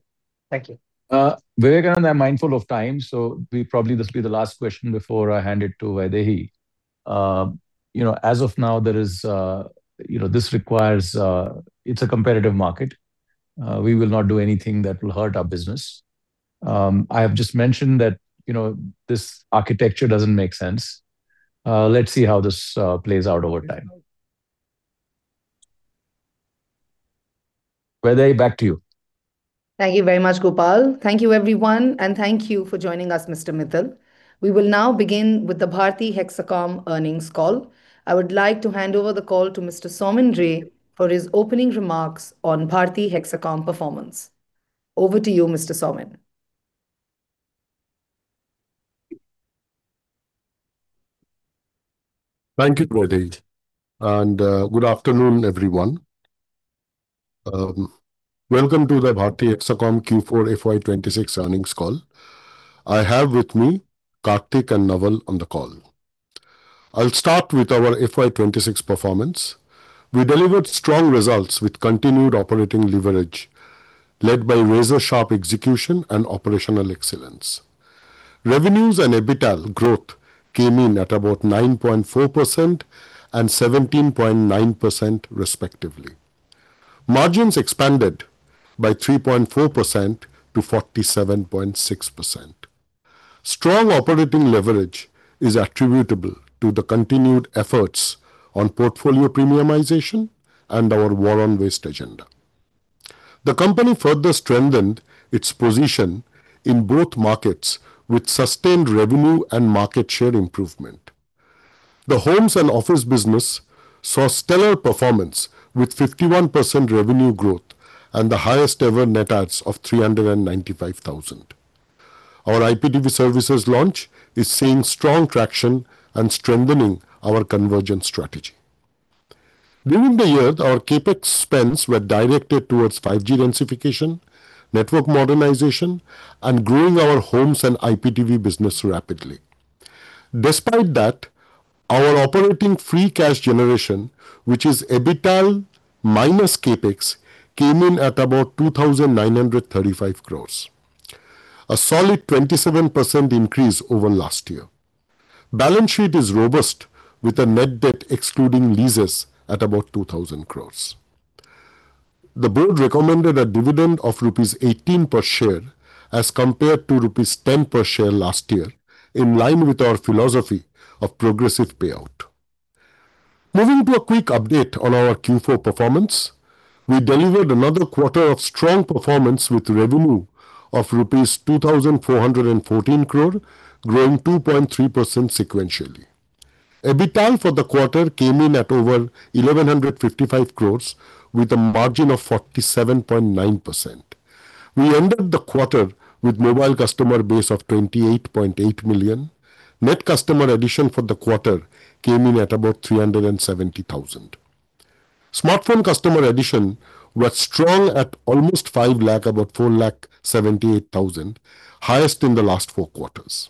Thank you. Vivekanand Subbaraman, I'm mindful of time, so we probably this will be the last question before I hand it to Vaidehi. You know, as of now, there is, you know, It's a competitive market. We will not do anything that will hurt our business. I have just mentioned that, you know, this architecture doesn't make sense. Let's see how this plays out over time. Vaidehi, back to you. Thank you very much, Gopal. Thank you, everyone, and thank you for joining us, Mr. Mittal. We will now begin with the Bharti Hexacom earnings call. I would like to hand over the call to Mr. Soumen Ray for his opening remarks on Bharti Hexacom performance. Over to you, Mr. Soumen. Thank you, Vaidehi. Good afternoon, everyone. Welcome to the Bharti Hexacom Q4 FY 2026 earnings call. I have with me Karthik and Naval on the call. I'll start with our FY 2026 performance. We delivered strong results with continued operating leverage, led by razor-sharp execution and operational excellence. Revenues and EBITDA growth came in at about 9.4% and 17.9% respectively. Margins expanded by 3.4%-47.6%. Strong operating leverage is attributable to the continued efforts on portfolio premiumization and our war on waste agenda. The company further strengthened its position in both markets with sustained revenue and market share improvement. The homes and office business saw stellar performance with 51% revenue growth and the highest ever net adds of 395,000. Our IPTV services launch is seeing strong traction and strengthening our convergence strategy. During the year, our CapEx spends were directed towards 5G densification, network modernization, and growing our homes and IPTV business rapidly. Despite that, our operating free cash generation, which is EBITDA minus CapEx, came in at about 2,935 crores. A solid 27% increase over last year. Balance sheet is robust, with a net debt excluding leases at about 2,000 crores. The board recommended a dividend of rupees 18 per share as compared to rupees 10 per share last year, in line with our philosophy of progressive payout. Moving to a quick update on our Q4 performance. We delivered another quarter of strong performance with revenue of INR 2,414 crore, growing 2.3% sequentially. EBITDA for the quarter came in at over 1,155 crores with a margin of 47.9%. We ended the quarter with mobile customer base of 28.8 million. Net customer addition for the quarter came in at about 370,000. Smartphone customer addition was strong at almost 5 lakh, about 478,000, highest in the last four quarters.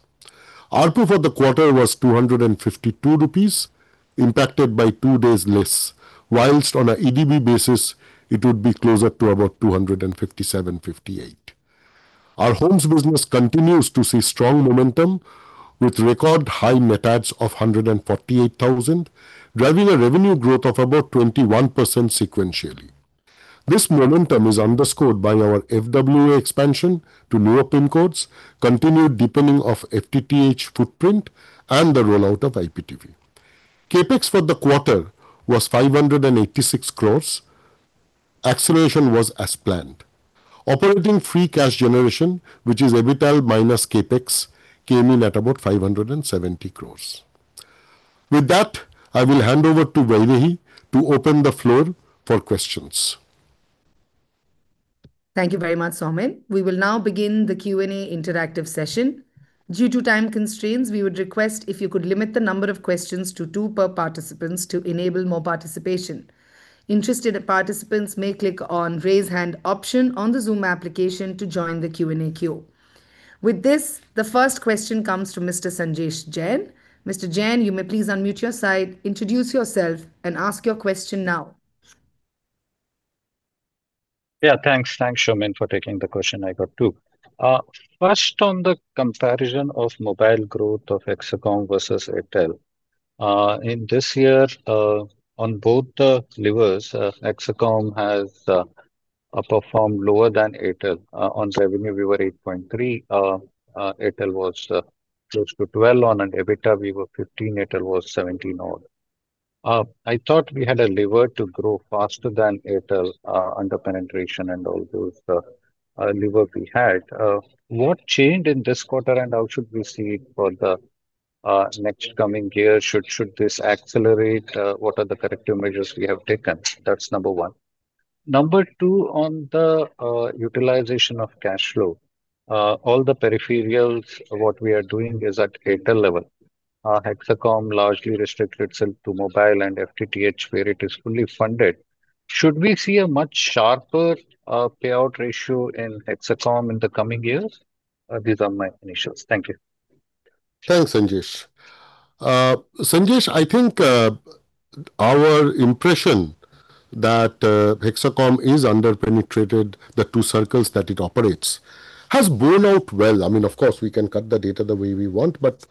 ARPU for the quarter was 252 rupees, impacted by two days less, whilst on an EBITDA basis it would be closer to about 257-258. Our homes business continues to see strong momentum with record high net adds of 148,000, driving a revenue growth of about 21% sequentially. This momentum is underscored by our FWA expansion to lower pin codes, continued deepening of FTTH footprint, and the rollout of IPTV. CapEx for the quarter was 586 crores. Acceleration was as planned. Operating free cash generation, which is EBITDA minus CapEx, came in at about 570 crores. With that, I will hand over to Vaidehi to open the floor for questions. Thank you very much, Soumen. We will now begin the Q&A interactive session. Due to time constraints, we would request if you could limit the number of questions to two per participants to enable more participation. Interested participants may click on Raise Hand option on the Zoom application to join the Q&A queue. With this, the first question comes from Mr. Sanjesh Jain. Mr. Jain, you may please unmute your side, introduce yourself and ask your question now. Yeah, thanks. Thanks, Soumen, for taking the question I got too. First, on the comparison of mobile growth of Hexacom versus Airtel. In this year, on both the levers, Hexacom has performed lower than Airtel. On revenue we were 8.3%, Airtel was close to 12% on an EBITDA. We were 15%, Airtel was 17% on it. I thought we had a lever to grow faster than Airtel, under penetration and all those lever we had. What changed in this quarter, how should we see it for the next coming year? Should this accelerate? What are the corrective measures we have taken? That's number one. Number two, on the utilization of cash flow. All the peripherals, what we are doing is at Airtel level. Hexacom largely restrict itself to mobile and FTTH, where it is fully funded. Should we see a much sharper payout ratio in Hexacom in the coming years? These are my initials. Thank you. Thanks, Sanjesh. Sanjesh, I think our impression that Hexacom is under-penetrated, the two circles that it operates, has borne out well. I mean, of course, we can cut the data the way we want, but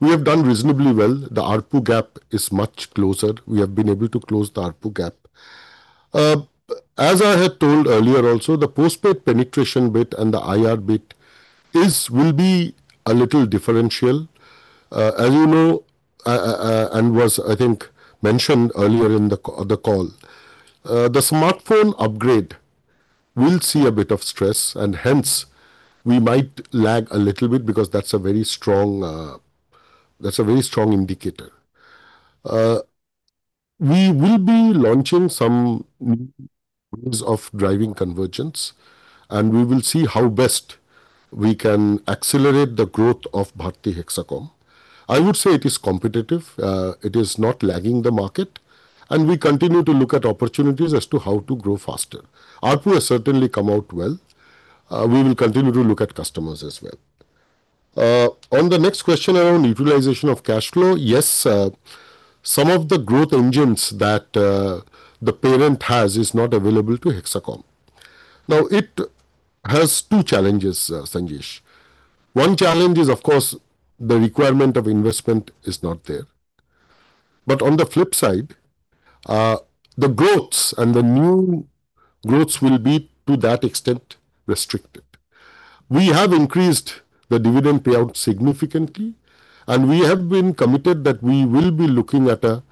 we have done reasonably well. The ARPU gap is much closer. We have been able to close the ARPU gap. As I had told earlier also, the post-paid penetration bit and the IR bit will be a little differential. As you know, and was, I think, mentioned earlier in the call, the smartphone upgrade will see a bit of stress and hence we might lag a little bit because that's a very strong indicator. We will be launching some multiple ways of driving convergence, and we will see how best we can accelerate the growth of Bharti Hexacom. I would say it is competitive, it is not lagging the market, and we continue to look at opportunities as to how to grow faster. ARPU has certainly come out well. We will continue to look at customers as well. On the next question around utilization of cash flow, yes, some of the growth engines that the parent has is not available to Hexacom. Now, it has two challenges, Sanjesh. One challenge is, of course, the requirement of investment is not there. On the flip side, the growths and the new growths will be to that extent restricted. We have increased the dividend payout significantly, and we have been committed that we will be looking at a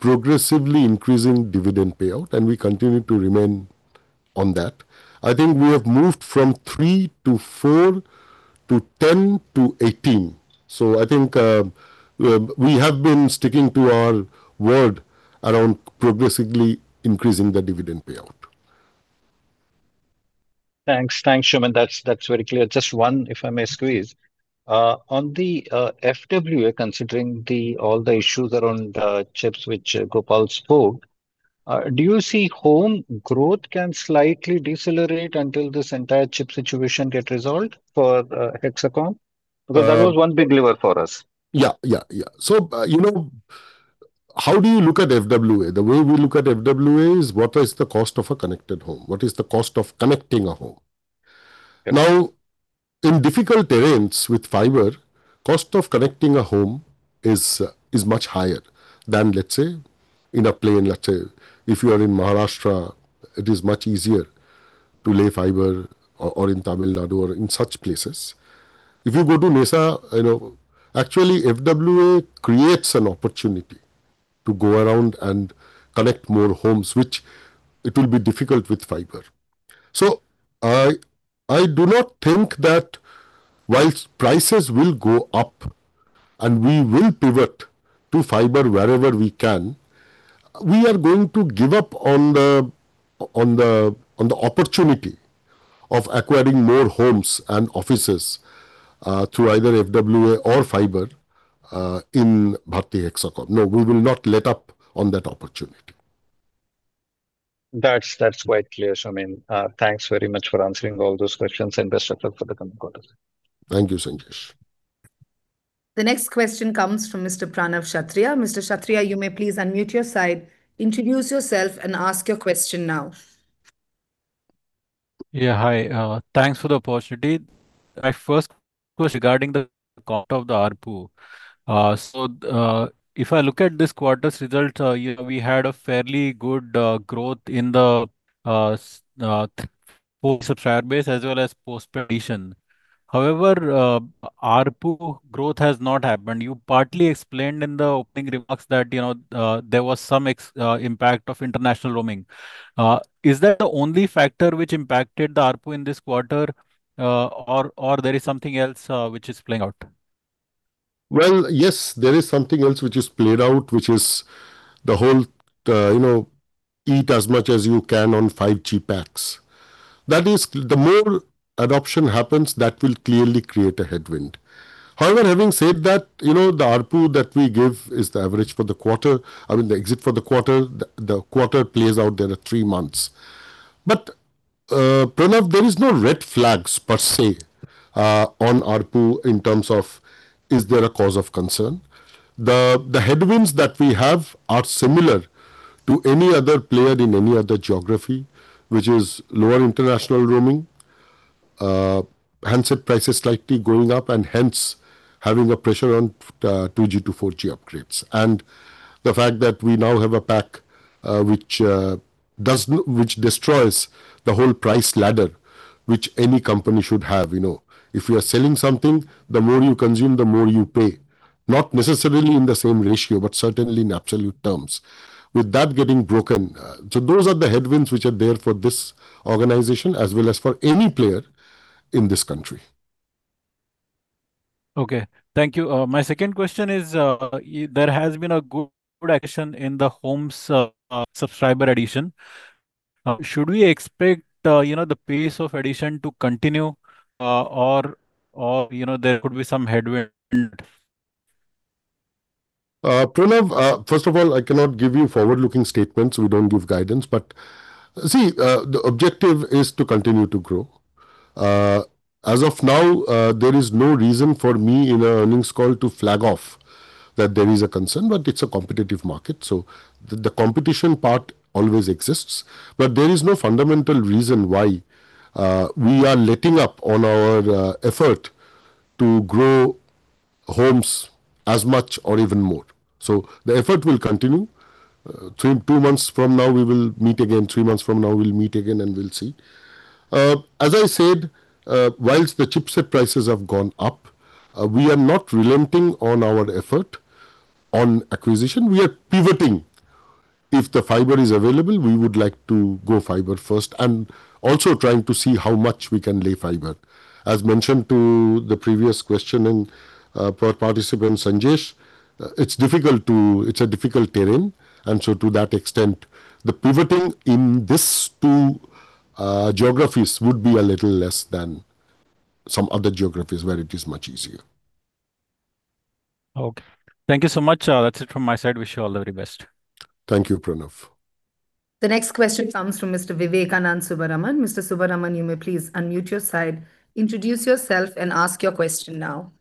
progressively increasing dividend payout, and we continue to remain on that. I think we have moved from 3-4 to 10-18, so I think we have been sticking to our word around progressively increasing the dividend payout. Thanks. Thanks, Soumen. That's very clear. Just one, if I may squeeze. On the FWA considering the all the issues around chips, which Gopal spoke, do you see home growth can slightly decelerate until this entire chip situation get resolved for Hexacom? That was one big lever for us. Yeah, yeah. You know, how do you look at FWA? The way we look at FWA is what is the cost of a connected home, what is the cost of connecting a home. Yeah. Now, in difficult terrains with fiber, cost of connecting 1 home is much higher than, let's say, in a plain, let's say, if you are in Maharashtra, it is much easier to lay fiber, or in Tamil Nadu or in such places. If you go to Mesa, you know, actually FWA creates an opportunity to go around and connect more homes, which it will be difficult with fiber. I do not think that whilst prices will go up and we will pivot to fiber wherever we can, we are going to give up on the opportunity of acquiring more homes and offices through either FWA or fiber in Bharti Hexacom. No, we will not let up on that opportunity. That's quite clear, Soumen Ray. Thanks very much for answering all those questions, and best of luck for the coming quarters. Thank you, Sanjesh. The next question comes from Mr. Pranav Kshatriya. Mr. Kshatriya, you may please unmute your side, introduce yourself, and ask your question now. Hi. Thanks for the opportunity. My first question regarding the count of the ARPU. If I look at this quarter's results, you know, we had a fairly good growth in the post subscriber base as well as post-pay addition. However, ARPU growth has not happened. You partly explained in the opening remarks that, you know, there was some impact of international roaming. Is that the only factor which impacted the ARPU in this quarter, or there is something else which is playing out? Well, yes, there is something else which is played out, which is the whole, you know, eat as much as you can on 5G packs. That is, the more adoption happens, that will clearly create a headwind. Having said that, you know, the ARPU that we give is the average for the quarter. I mean, the exit for the quarter, the quarter plays out there are three months. Pranav, there is no red flags per se on ARPU in terms of is there a cause of concern. The headwinds that we have are similar to any other player in any other geography, which is lower international roaming, handset prices slightly going up, and hence having a pressure on 2G to 4G upgrades. The fact that we now have a pack, which destroys the whole price ladder which any company should have, you know. If you are selling something, the more you consume, the more you pay. Not necessarily in the same ratio, but certainly in absolute terms. With that getting broken, those are the headwinds which are there for this organization as well as for any player in this country. Okay. Thank you. My second question is, there has been a good action in the homes, subscriber addition. Should we expect, you know, the pace of addition to continue, or, you know, there could be some headwind? Pranav, first of all, I cannot give you forward-looking statements. We don't give guidance. See, the objective is to continue to grow. As of now, there is no reason for me in a earnings call to flag off that there is a concern, but it's a competitive market, so the competition part always exists. There is no fundamental reason why we are letting up on our effort to grow homes as much or even more. The effort will continue. Three, two months from now we will meet again. Three months from now we'll meet again, and we'll see. As I said, whilst the chipset prices have gone up, we are not relenting on our effort on acquisition. We are pivoting. If the fiber is available, we would like to go fiber first, also trying to see how much we can lay fiber. As mentioned to the previous question in, per participant, Sanjesh, It's a difficult terrain. To that extent, the pivoting in these two geographies would be a little less than some other geographies where it is much easier. Okay. Thank you so much. That's it from my side. Wish you all the very best. Thank you, Pranav. The next question comes from Mr. Vivekanand Subbaraman. Mr. Subbaraman, you may please unmute your side, introduce yourself and ask your question now.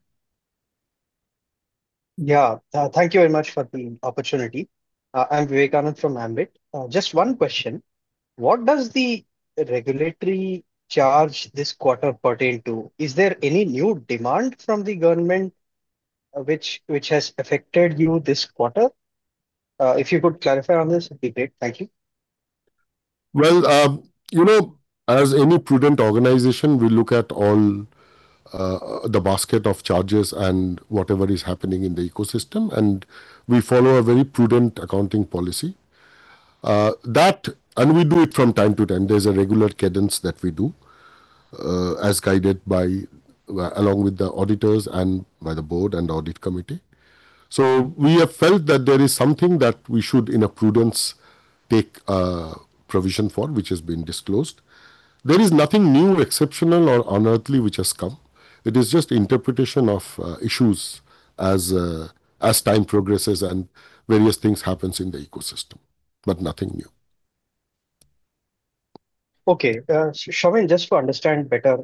Thank you very much for the opportunity. I'm Vivekanand from Ambit. Just one question. What does the regulatory charge this quarter pertain to? Is there any new demand from the government, which has affected you this quarter? If you could clarify on this, it'd be great. Thank you. Well, you know, as any prudent organization, we look at all the basket of charges and whatever is happening in the ecosystem, and we follow a very prudent accounting policy. That, we do it from time to time. There's a regular cadence that we do, as guided by along with the auditors and by the board and audit committee. We have felt that there is something that we should, in a prudence, take a provision for, which has been disclosed. There is nothing new, exceptional or unearthly which has come. It is just interpretation of issues as time progresses and various things happens in the ecosystem, but nothing new. Okay. Soumen Ray, just to understand better,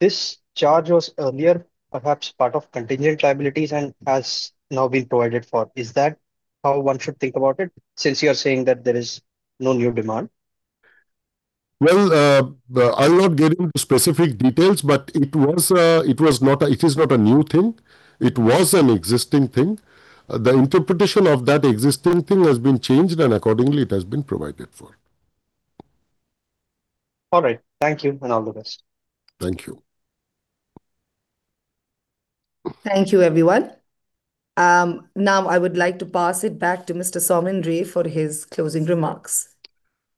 this charge was earlier perhaps part of contingent liabilities and has now been provided for. Is that how one should think about it since you are saying that there is no new demand? Well, I'll not get into specific details, but it is not a new thing. It was an existing thing. The interpretation of that existing thing has been changed, and accordingly it has been provided for. All right. Thank you, and all the best. Thank you. Thank you, everyone. Now I would like to pass it back to Mr. Soumen Ray for his closing remarks.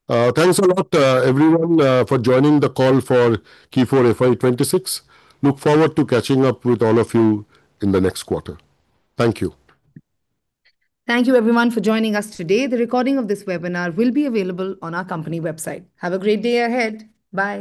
Thanks a lot, everyone, for joining the call for Q4 FY 2026. Look forward to catching up with all of you in the next quarter. Thank you. Thank you everyone for joining us today. The recording of this webinar will be available on our company website. Have a great day ahead. Bye.